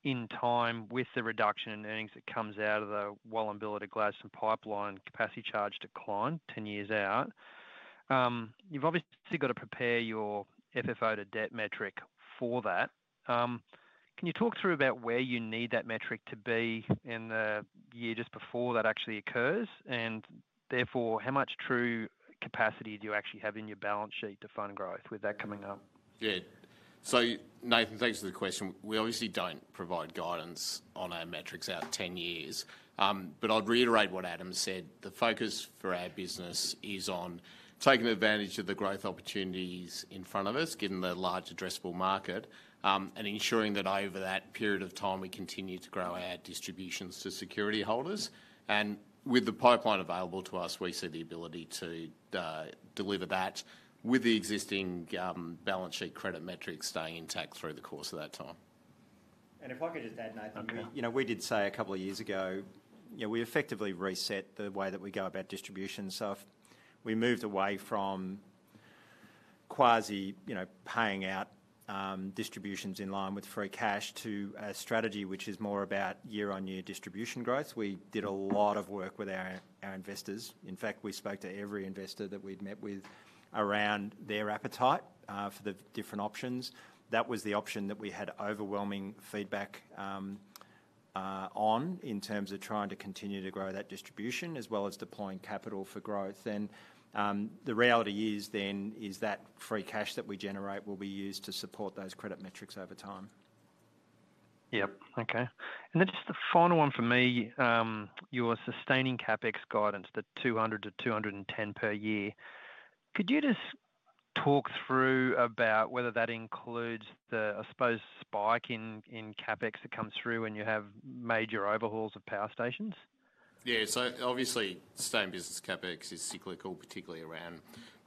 in time with the reduction in earnings that comes out of the Wallumbilla Gladstone Pipeline capacity charge decline 10 years out, you've obviously got to prepare your FFO to debt metric for that. Can you talk through about where you need that metric to be in the year just before that actually occurs? Therefore, how much true capacity do you actually have in your balance sheet to fund growth with that coming up? Yeah, Nathan, thanks for the question. We obviously don't provide guidance on our metrics out 10 years, but I'd reiterate what Adam said. The focus for our business is on taking advantage of the growth opportunities in front of us, given the large addressable market, and ensuring that over that period of time we continue to grow our distributions to security holders. With the pipeline available to us, we see the ability to deliver that with the existing balance sheet credit metrics staying intact through the course of that time. If I could just add, Nathan, you know, we did say a couple of years ago, you know, we effectively reset the way that we go about distribution stuff. We moved away from quasi, you know, paying out distributions in line with free cash to a strategy which is more about year-on-year distribution growth. We did a lot of work with our investors. In fact, we spoke to every investor that we'd met with around their appetite for the different options. That was the option that we had overwhelming feedback on in terms of trying to continue to grow that distribution as well as deploying capital for growth. The reality is then is that free cash that we generate will be used to support those credit metrics over time. Okay. Just the final one for me, your sustaining CapEx guidance, the 200 million-210 million per year. Could you talk through whether that includes the, I suppose, spike in CapEx that comes through when you have major overhauls of power stations? Obviously, sustained business CapEx is cyclical, particularly around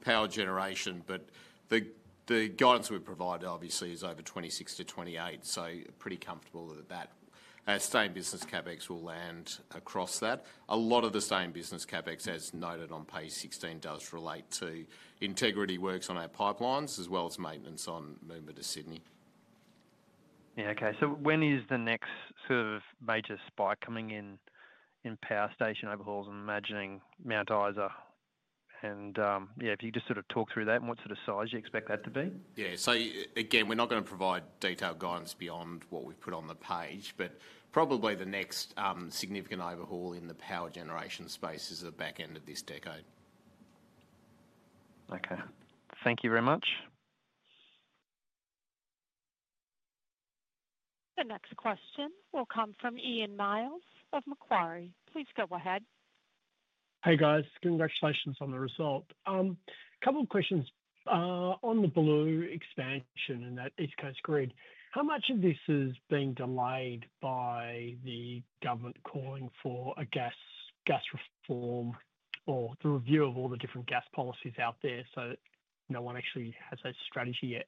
power generation, but the guidance we provide is over 2026-2028, so pretty comfortable that that sustained business CapEx will land across that. A lot of the sustained business CapEx, as noted on page 16, does relate to integrity works on our pipelines as well as maintenance on Moomba to Sydney. Yeah, okay, so when is the next sort of major spike coming in in power station overhauls, imagining Mount Isa, and yeah, if you could just sort of talk through that and what sort of size you expect that to be? Yeah, we're not going to provide detailed guidance beyond what we put on the page, but probably the next significant overhaul in the power generation space is at the back end of this decade. Okay, thank you very much. The next question will come from Ian Myles of Macquarie. Please go ahead. Hey guys, congratulations on the result. A couple of questions on the Bulloo expansion and that East Coast grid. How much of this is being delayed by the government calling for a gas reform or the review of all the different gas policies out there, so that no one actually has a strategy yet?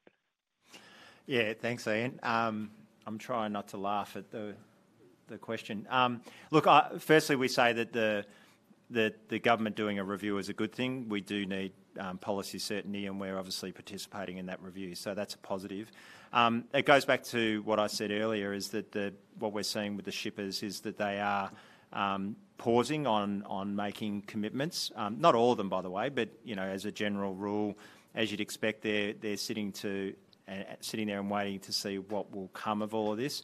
Yeah, thanks Ian. I'm trying not to laugh at the question. Look, firstly we say that the government doing a review is a good thing. We do need policy certainty and we're obviously participating in that review, so that's a positive. It goes back to what I said earlier is that what we're seeing with the shippers is that they are pausing on making commitments. Not all of them, by the way, but as a general rule, as you'd expect, they're sitting there and waiting to see what will come of all of this.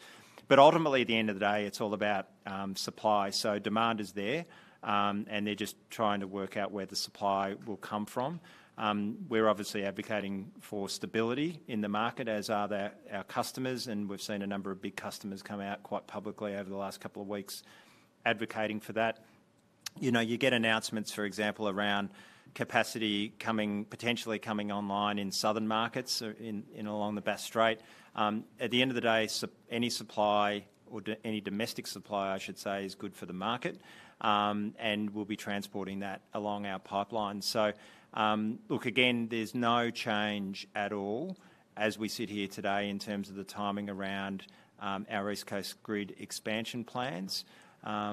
Ultimately, at the end of the day, it's all about supply. Demand is there and they're just trying to work out where the supply will come from. We're obviously advocating for stability in the market, as are our customers, and we've seen a number of big customers come out quite publicly over the last couple of weeks advocating for that. You get announcements, for example, around capacity potentially coming online in southern markets and along the Bass Strait. At the end of the day, any supply or any domestic supply, I should say, is good for the market and will be transporting that along our pipeline. Again, there's no change at all as we sit here today in terms of the timing around our East Coast grid expansion plans. We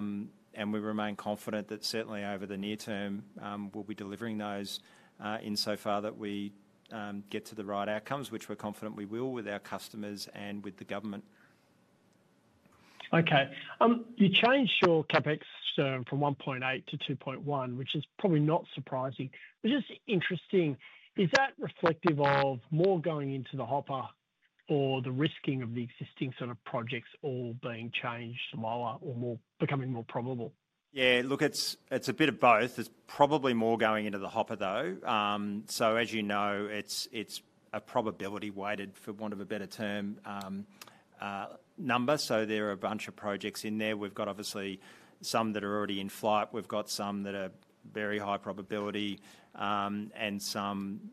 remain confident that certainly over the near term we'll be delivering those insofar as we get to the right outcomes, which we're confident we will with our customers and with the government. Okay, you changed your CapEx from 1.8 billion to 2.1 billion, which is probably not surprising, but just interesting. Is that reflective of more going into the hopper or the risking of the existing sort of projects all being changed to lower or becoming more probable? Yeah, look, it's a bit of both. There's probably more going into the hopper, though. As you know, it's a probability-weighted, for want of a better term, number. There are a bunch of projects in there. We've got obviously some that are already in flight, some that are very high probability, and some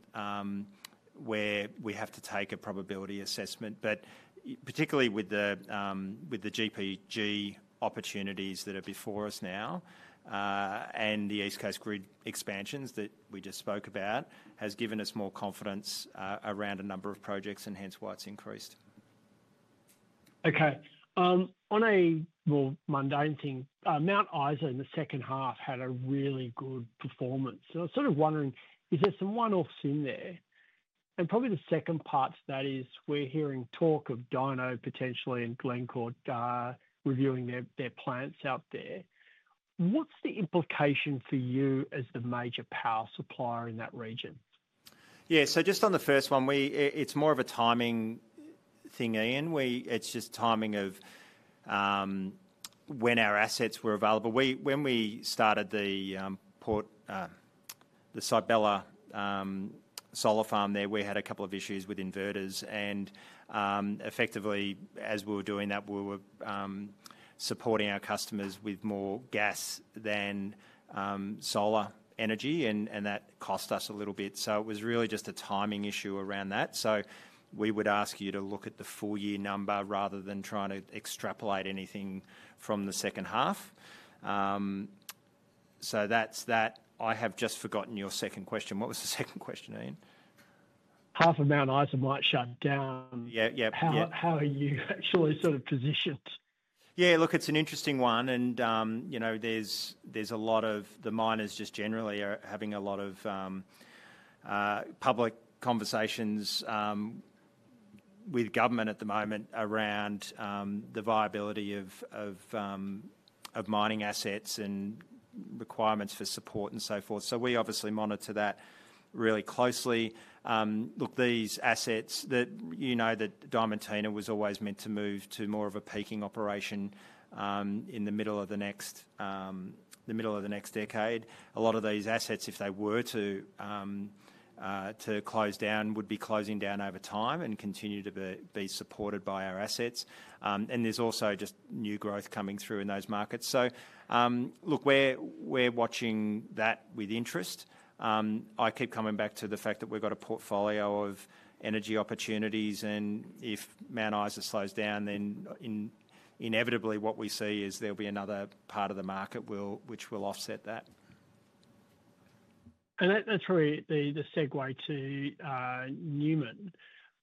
where we have to take a probability assessment. Particularly with the GPG opportunities that are before us now and the East Coast grid expansions that we just spoke about, it has given us more confidence around a number of projects and hence why it's increased. Okay, on a more mundane thing, Mount Isa in the second half had a really good performance. I was sort of wondering, is there some one-offs in there? The second part to that is we're hearing talk of Dino potentially and Glencore reviewing their plants out there. What's the implication for you as the major power supplier in that region? Yeah, just on the first one, it's more of a timing thing, Ian. It's just timing of when our assets were available. When we started the Port, the Sybella solar farm there, we had a couple of issues with inverters. Effectively, as we were doing that, we were supporting our customers with more gas than solar energy, and that cost us a little bit. It was really just a timing issue around that. We would ask you to look at the full year number rather than trying to extrapolate anything from the second half. That's that. I have just forgotten your second question. What was the second question, Ian? Half of Mount Isa might shut down. Yeah, yeah. How are you actually sort of positioned? Yeah, look, it's an interesting one. You know, a lot of the miners just generally are having a lot of public conversations with government at the moment around the viability of mining assets and requirements for support and so forth. We obviously monitor that really closely. These assets that you know that Diamantina was always meant to move to more of a peaking operation in the middle of the next decade. A lot of these assets, if they were to close down, would be closing down over time and continue to be supported by our assets. There's also just new growth coming through in those markets. We're watching that with interest. I keep coming back to the fact that we've got a portfolio of energy opportunities, and if Mount Isa slows down, then inevitably what we see is there'll be another part of the market which will offset that. That's probably the segue to Newman.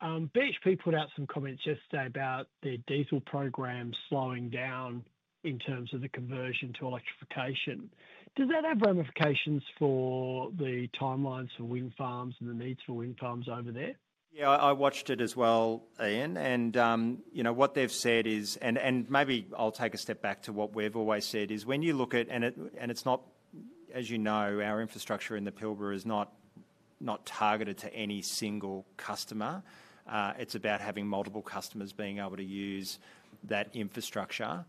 BHP put out some comments yesterday about their diesel program slowing down in terms of the conversion to electrification. Does that have ramifications for the timelines for wind farms and the needs for wind farms over there? Yeah, I watched it as well, Ian. You know what they've said is, and maybe I'll take a step back to what we've always said, is when you look at, and it's not, as you know, our infrastructure in the Pilbara is not targeted to any single customer. It's about having multiple customers being able to use that infrastructure.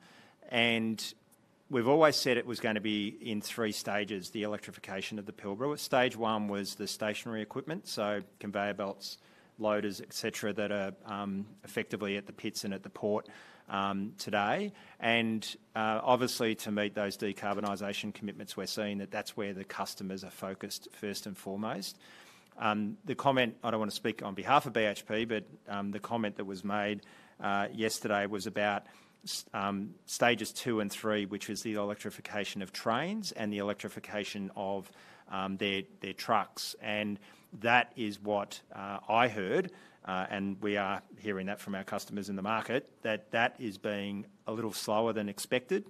We've always said it was going to be in three stages, the electrification of the Pilbara. Stage one was the stationary equipment, so conveyor belts, loaders, et cetera, that are effectively at the pits and at the port today. Obviously, to meet those decarbonization commitments, we're seeing that that's where the customers are focused first and foremost. The comment, I don't want to speak on behalf of BHP, but the comment that was made yesterday was about stages two and three, which is the electrification of trains and the electrification of their trucks. That is what I heard, and we are hearing that from our customers in the market, that that is being a little slower than expected.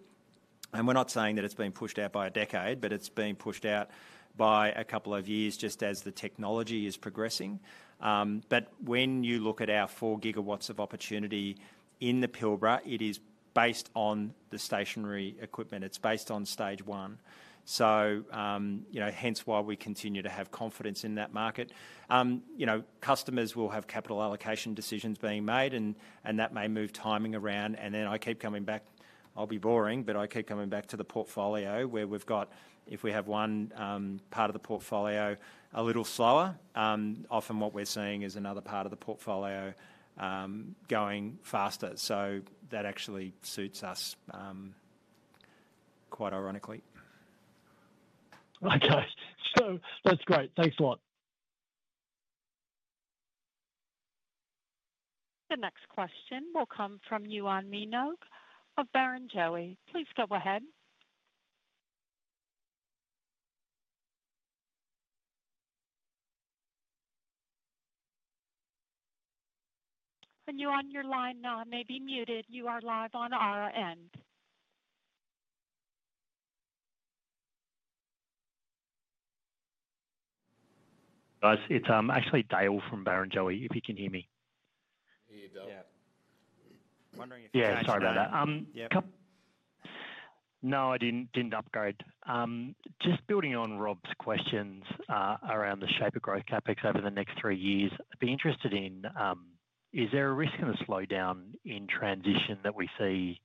We're not saying that it's been pushed out by a decade, but it's being pushed out by a couple of years just as the technology is progressing. When you look at our 4 GW of opportunity in the Pilbara, it is based on the stationary equipment. It's based on stage one. Hence why we continue to have confidence in that market. Customers will have capital allocation decisions being made, and that may move timing around. I keep coming back, I'll be boring, but I keep coming back to the portfolio where we've got, if we have one part of the portfolio a little slower, often what we're seeing is another part of the portfolio going faster. That actually suits us quite ironically. Okay, that's great. Thanks a lot. The next question will come from Uwan Minogue of Barrenjoey. Please go ahead. You're on your line now, maybe muted. You are live on our end. Guys, it's actually Dale from Barrenjoey, if you can hear me. Yeah. I'm wondering if you can hear me. Sorry about that. Yeah. No, I didn't upgrade. Just building on Rob's questions around the shape of growth CapEx over the next three years, I'd be interested in, is there a risk in the slowdown in transition that we see,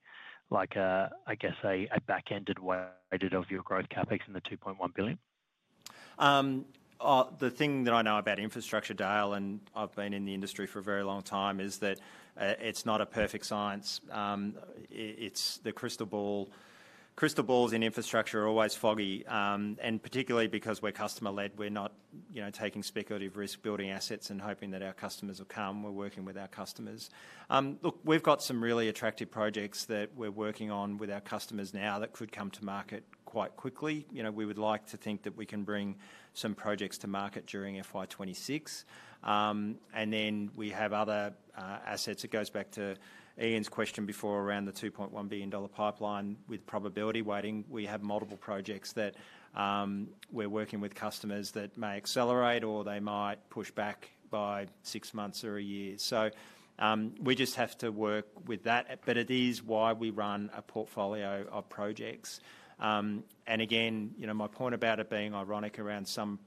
like a, I guess, a back-ended way of your growth CapEx in the 2.1 billion? The thing that I know about infrastructure, Dale, and I've been in the industry for a very long time, is that it's not a perfect science. The crystal balls in infrastructure are always foggy, particularly because we're customer-led. We're not taking speculative risk building assets and hoping that our customers will come. We're working with our customers. Look, we've got some really attractive projects that we're working on with our customers now that could come to market quite quickly. We would like to think that we can bring some projects to market during FY 2026, and then we have other assets. It goes back to Ian's question before around the 2.1 billion dollar pipeline with probability weighting. We have multiple projects that we're working with customers that may accelerate or they might push back by six months or a year. We just have to work with that, but it is why we run a portfolio of projects. My point about it being ironic around some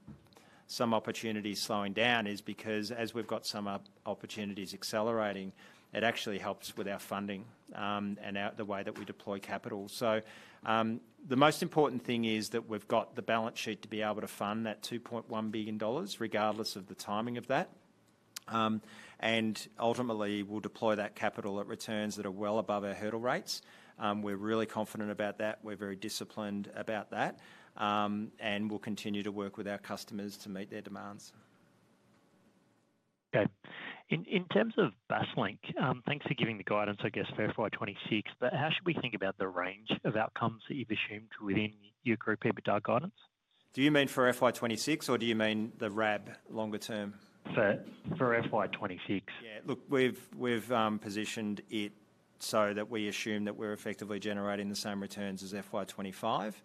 opportunities slowing down is because as we've got some opportunities accelerating, it actually helps with our funding and the way that we deploy capital. The most important thing is that we've got the balance sheet to be able to fund that 2.1 billion dollars regardless of the timing of that. Ultimately, we'll deploy that capital at returns that are well above our hurdle rates. We're really confident about that. We're very disciplined about that. We'll continue to work with our customers to meet their demands. Okay. In terms of Basslink, thanks for giving the guidance, I guess, for FY 2026, but how should we think about the range of outcomes that you've assumed within your group EBITDA guidance? Do you mean for FY 2026, or do you mean the RAB longer term? For FY 2026. Yeah, look, we've positioned it so that we assume that we're effectively generating the same returns as FY 2025.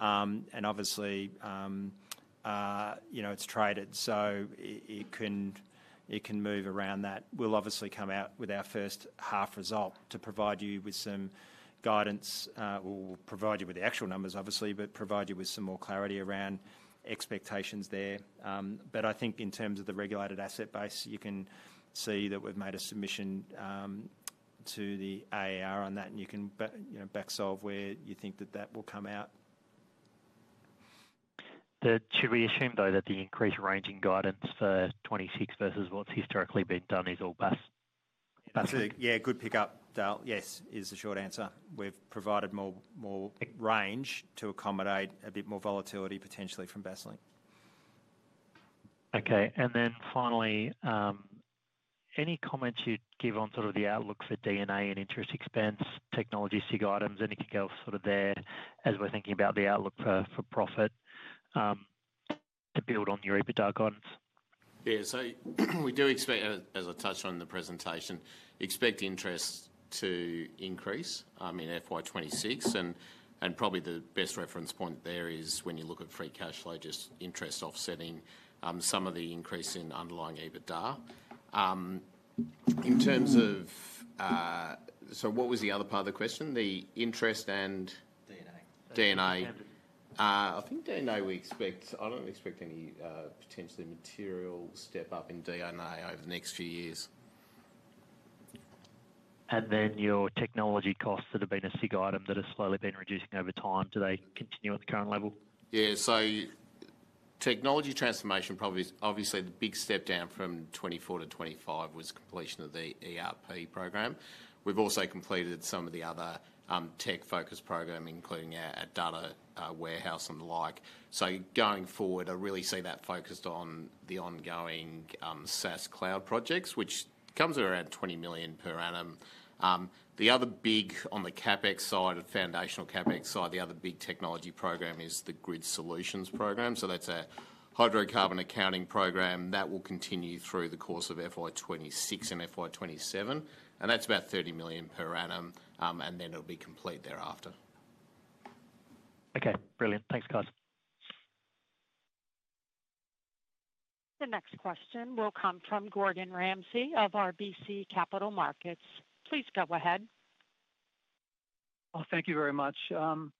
Obviously, you know, it's traded, so it can move around that. We'll obviously come out with our first half result to provide you with some guidance. We'll provide you with the actual numbers, obviously, and provide you with some more clarity around expectations there. I think in terms of the regulated asset base, you can see that we've made a submission to the AAR on that, and you can backsolve where you think that that will come out. Should we assume, though, that the increased range in guidance for 2026 versus what's historically been done is all Basslink? Yeah, good pickup, Dale. Yes, is the short answer. We've provided more range to accommodate a bit more volatility potentially from Basslink. Okay, and then finally, any comments you'd give on sort of the outlook for D&A and interest expense, technology sig items, anything else sort of there as we're thinking about the outlook for profit to build on your EBITDA guidance? Yeah, so we do expect, as I touched on in the presentation, expect interest to increase in F 20Y26, and probably the best reference point there is when you look at free cash flow, just interest offsetting some of the increase in underlying EBITDA. In terms of, what was the other part of the question? The interest and D&A. I think D&A we expect, I don't expect any potentially material step up in D&A over the next few years. Your technology costs that have been a significant item that have slowly been reducing over time, do they continue at the current level? Yeah, so technology transformation probably is obviously the big step down from 2024 to 2025 was completion of the ERP program. We've also completed some of the other tech-focused program, including our data warehouse and the like. Going forward, I really see that focused on the ongoing SaaS cloud projects, which comes at around 20 million per annum. The other big on the CapEx side, the foundational CapEx side, the other big technology program is the Grid Solutions program. That's a hydrocarbon accounting program that will continue through the course of FY2026 and FY2027, and that's about 30 million per annum, and then it'll be complete thereafter. Okay, brilliant. Thanks, guys. The next question will come from Gordon Ramsay of RBC Capital Markets. Please go ahead. Thank you very much. Adam,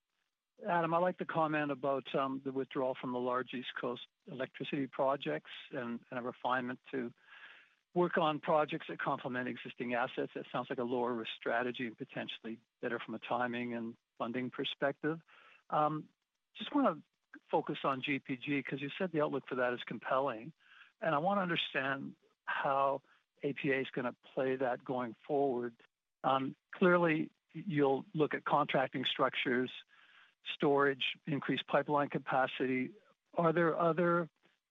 I'd like to comment about the withdrawal from the large East Coast electricity projects and a refinement to work on projects that complement existing assets. That sounds like a lower risk strategy and potentially better from a timing and funding perspective. Just want to focus on GPG because you said the outlook for that is compelling, and I want to understand how APA is going to play that going forward. Clearly, you'll look at contracting structures, storage, increased pipeline capacity. Are there other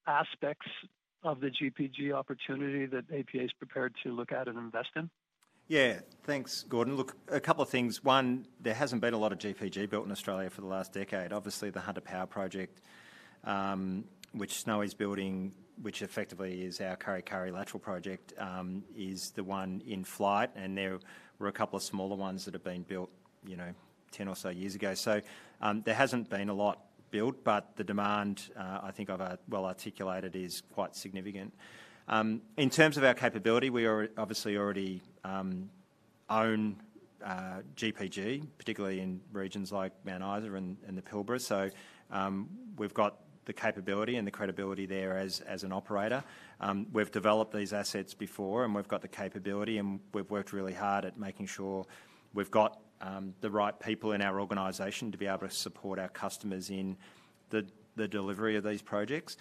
aspects of the GPG opportunity that APA is prepared to look at and invest in? Yeah, thanks, Gordon. Look, a couple of things. One, there hasn't been a lot of GPG built in Australia for the last decade. Obviously, the Hunter Power project, which Snowy's building, which effectively is our Kurri Kurri Lateral project, is the one in flight, and there were a couple of smaller ones that have been built, you know, 10 or so years ago. There hasn't been a lot built, but the demand, I think, I've well articulated is quite significant. In terms of our capability, we obviously already own GPG, particularly in regions like Mount Isa and the Pilbara. We've got the capability and the credibility there as an operator. We've developed these assets before, and we've got the capability, and we've worked really hard at making sure we've got the right people in our organization to be able to support our customers in the delivery of these projects.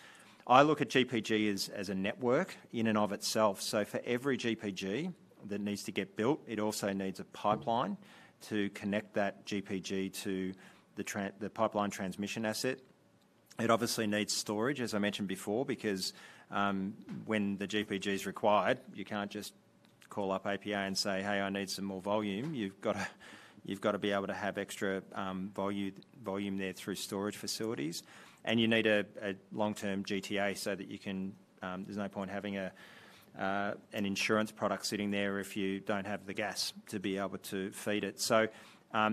I look at GPG as a network in and of itself. For every GPG that needs to get built, it also needs a pipeline to connect that GPG to the pipeline transmission asset. It obviously needs storage, as I mentioned before, because when the GPG is required, you can't just call up APA and say, "Hey, I need some more volume." You've got to be able to have extra volume there through storage facilities, and you need a long-term GTA so that you can, there's no point having an insurance product sitting if you don't have the gas to be able to feed it.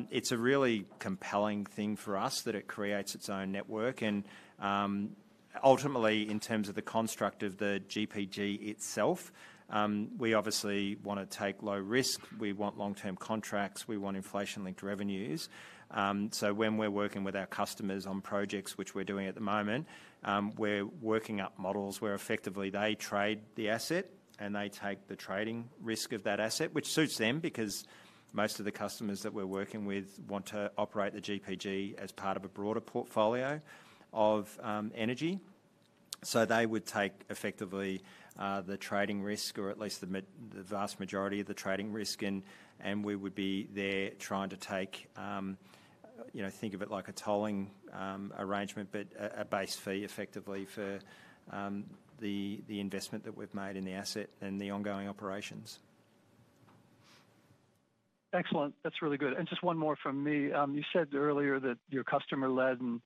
It's a really compelling thing for us that it creates its own network. Ultimately, in terms of the construct of the GPG itself, we obviously want to take low risk. We want long-term contracts. We want inflation-linked revenues. When we're working with our customers on projects, which we're doing at the moment, we're working up models where effectively they trade the asset and they take the trading risk of that asset, which suits them because most of the customers that we're working with want to operate the GPG as part of a broader portfolio of energy. They would take effectively the trading risk or at least the vast majority of the trading risk. We would be there trying to take, you know, think of it like a tolling arrangement, but a base fee effectively for the investment that we've made in the asset and the ongoing operations. Excellent. That's really good. Just one more from me. You said earlier that you're customer-led and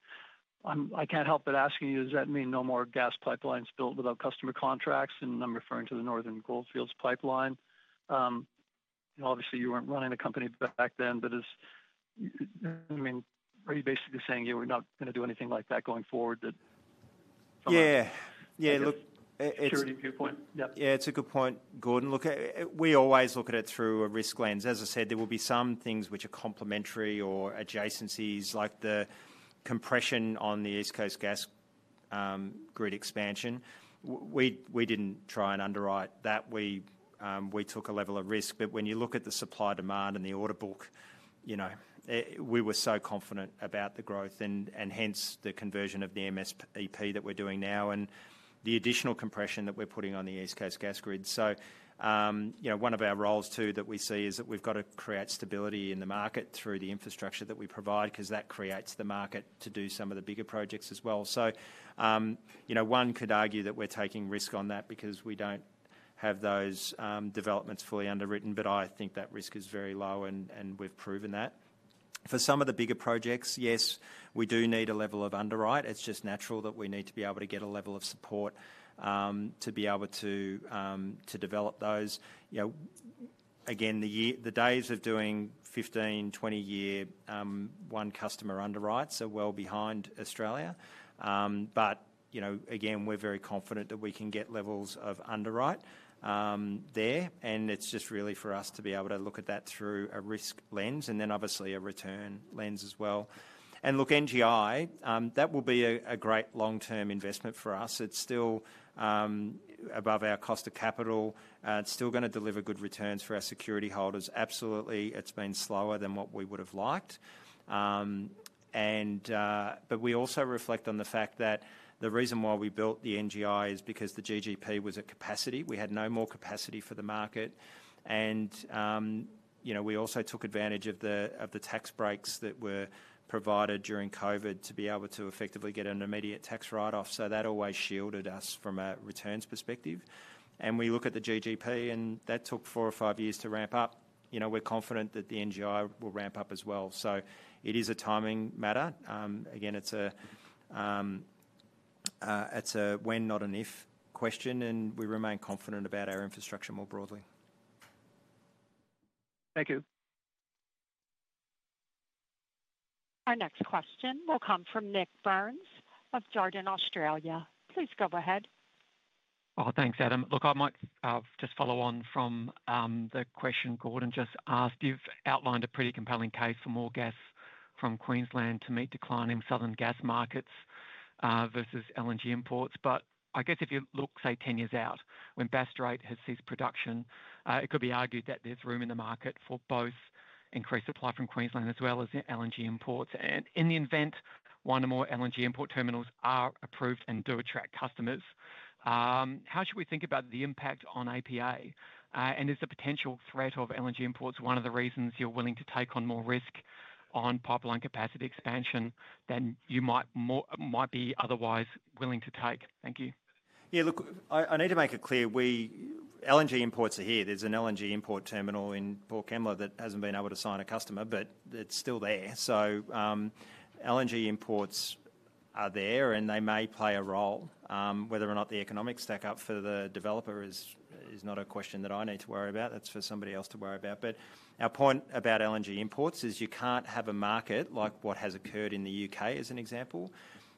I can't help but ask you, does that mean no more gas pipelines built without customer contracts? I'm referring to the Northern Goldfields pipeline. Obviously you weren't running the company back then, but is, I mean, are you basically saying you're not going to do anything like that going forward? Yeah, it's a good point. Yeah, it's a good point, Gordon. Look, we always look at it through a risk lens. As I said, there will be some things which are complementary or adjacencies like the compression on the East Coast gas grid expansion. We didn't try and underwrite that. We took a level of risk. When you look at the supply demand and the order book, we were so confident about the growth and hence the conversion of the MSTP that we're doing now and the additional compression that we're putting on the East Coast gas grid. One of our roles too that we see is that we've got to create stability in the market through the infrastructure that we provide because that creates the market to do some of the bigger projects as well. One could argue that we're taking risk on that because we don't have those developments fully underwritten, but I think that risk is very low and we've proven that. For some of the bigger projects, yes, we do need a level of underwrite. It's just natural that we need to be able to get a level of support to be able to develop those. The days of doing 15-year, 20-year, one customer underwrites are well behind Australia. We're very confident that we can get levels of underwrite there. It's just really for us to be able to look at that through a risk lens and then obviously a return lens as well. NGI, that will be a great long-term investment for us. It's still above our cost of capital. It's still going to deliver good returns for our security holders. Absolutely it's been slower than what we would have liked, but we also reflect on the fact that the reason why we built the NGI is because the GGP was at capacity. We had no more capacity for the market. We also took advantage of the tax breaks that were provided during COVID to be able to effectively get an immediate tax write-off. That always shielded us from a returns perspective. We look at the GGP and that took four or five years to ramp up. We're confident that the NGI will ramp up as well. It is a timing matter. It's a when not an if question and we remain confident about our infrastructure more broadly. Thank you. Our next question will come from Nik Burns of Jarden, Australia. Please go ahead. Oh, thanks, Adam. Look, I might just follow on from the question Gordon just asked. You've outlined a pretty compelling case for more gas from Queensland to meet declining southern gas markets, versus LNG imports. I guess if you look, say, 10 years out when Bass Strait has ceased production, it could be argued that there's room in the market for both increased supply from Queensland as well as LNG imports. In the event one or more LNG import terminals are approved and do attract customers, how should we think about the impact on APA? Is the potential threat of LNG imports one of the reasons you're willing to take on more risk on pipeline capacity expansion than you might be otherwise willing to take? Thank you. Yeah. Look, I need to make it clear. LNG imports are here. There's an LNG import terminal in Port Kembla that hasn't been able to sign a customer, but it's still there. LNG imports are there and they may play a role. Whether or not the economics stack up for the developer is not a question that I need to worry about. That's for somebody else to worry about. Our point about LNG imports is you can't have a market like what has occurred in the UK as an example,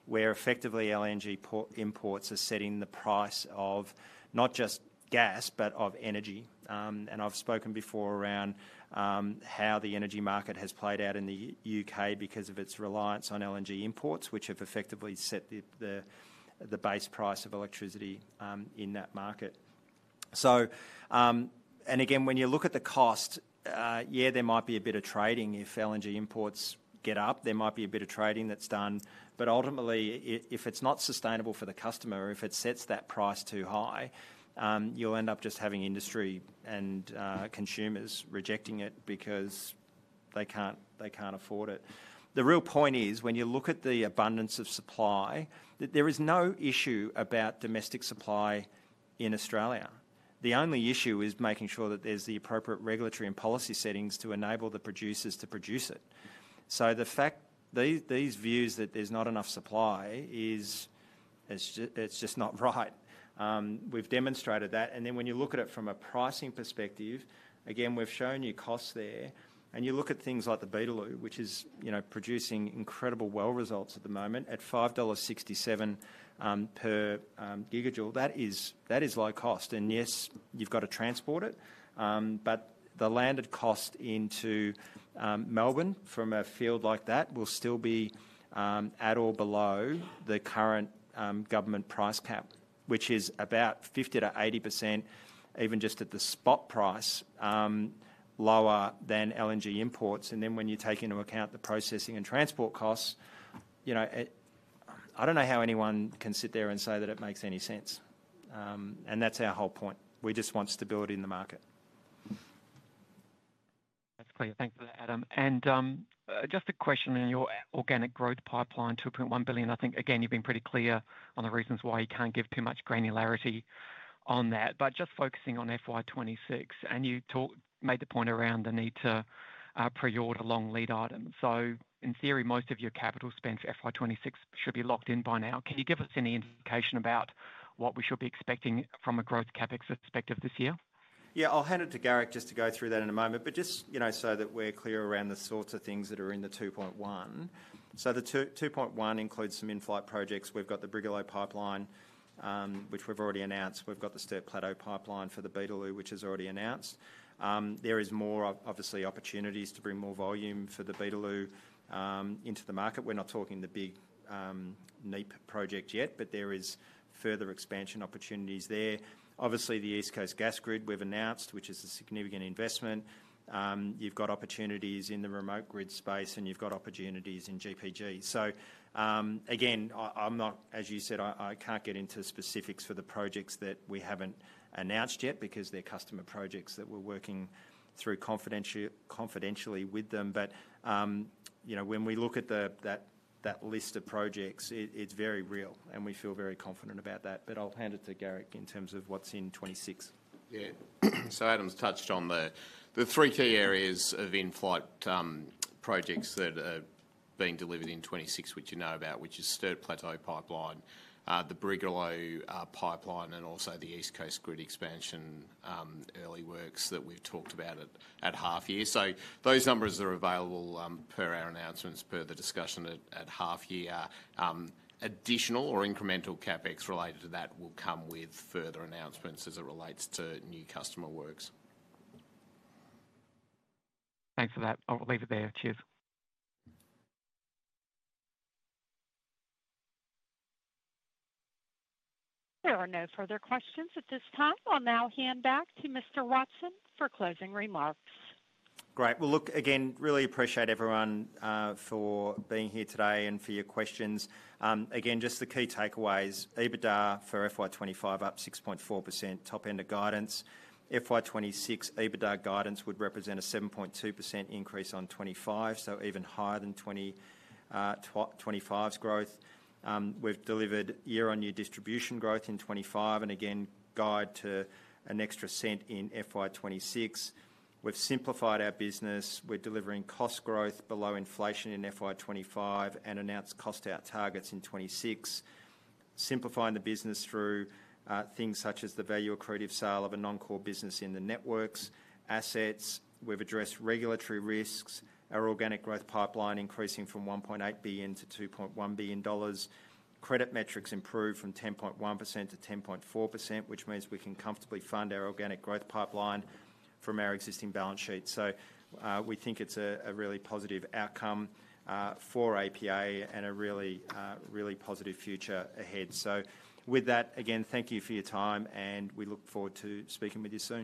where effectively LNG imports are setting the price of not just gas, but of energy. I've spoken before around how the energy market has played out in the UK because of its reliance on LNG imports, which have effectively set the base price of electricity in that market. When you look at the cost, yeah, there might be a bit of trading if LNG imports get up. There might be a bit of trading that's done. Ultimately, if it's not sustainable for the customer, or if it sets that price too high, you'll end up just having industry and consumers rejecting it because they can't afford it. The real point is when you look at the abundance of supply, there is no issue about domestic supply in Australia. The only issue is making sure that there's the appropriate regulatory and policy settings to enable the producers to produce it. The fact that these views that there's not enough supply is just not right. We've demonstrated that. When you look at it from a pricing perspective, again, we've shown you costs there. You look at things like the Beetaloo, which is producing incredible well results at the moment at 5.67 dollar per gigajoule. That is low cost. Yes, you've got to transport it. But the landed cost into Melbourne from a field like that will still be at or below the current government price cap, which is about 50% to 80%, even just at the spot price, lower than LNG imports. When you take into account the processing and transport costs, I don't know how anyone can sit there and say that it makes any sense. That's our whole point. We just want stability in the market. That's clear. Thanks for that, Adam. Just a question in your organic growth pipeline, 2.1 billion. I think, again, you've been pretty clear on the reasons why you can't give too much granularity on that. Just focusing on FY 2026, you made the point around the need to pre-order long lead items. In theory, most of your capital spend for FY 2026 should be locked in by now. Can you give us any indication about what we should be expecting from a growth CapEx perspective this year? I'll hand it to Garrick just to go through that in a moment. Just so that we're clear around the sorts of things that are in the 2.1 billion. The 2.1 billion includes some in-flight projects. We've got the Brigalow Pipeline, which we've already announced. We've got the Sturt Plateau Pipeline for the Beetaloo, which is already announced. There are more opportunities to bring more volume for the Beetaloo into the market. We're not talking the big NEEP project yet, but there are further expansion opportunities there. The East Coast gas grid we've announced, which is a significant investment. You've got opportunities in the remote grid space and you've got opportunities in GPG. I'm not, as you said, I can't get into specifics for the projects that we haven't announced yet because they're customer projects that we're working through confidentially with them. When we look at that list of projects, it's very real and we feel very confident about that. I'll hand it to Garrick in terms of what's in 2026. Adam's touched on the three key areas of in-flight projects that are being delivered in 2026, which you know about, which is Sturt Plateau Pipeline, the Brigalow Pipeline, and also the East Coast Grid expansion, early works that we've talked about at half year. Those numbers are available, per our announcements, per the discussion at half year. Additional or incremental CapEx related to that will come with further announcements as it relates to new customer works. Thanks for that. I'll leave it there, cheers. There are no further questions at this time. I'll now hand back to Mr. Watson for closing remarks. Great. Again, really appreciate everyone for being here today and for your questions. Again, just the key takeaways. EBITDA for FY 2025 up 6.4%. Top end of guidance. FY 2026 EBITDA guidance would represent a 7.2% increase on 2025, so even higher than 2025's growth. We've delivered year-on-year distribution growth in 2025 and again guide to an extra AUD 0.01 in FY 2026. We've simplified our business. We're delivering cost growth below inflation in FY 2025 and announced cost-out targets in 2026, simplifying the business through things such as the value accretive sale of a non-core networks business. We've addressed regulatory risks. Our organic growth pipeline increasing from 1.8 billion to 2.1 billion dollars. Credit metrics improved from 10.1% to 10.4%, which means we can comfortably fund our organic growth pipeline from our existing balance sheet. We think it's a really positive outcome for APA and a really, really positive future ahead. Again, thank you for your time and we look forward to speaking with you soon.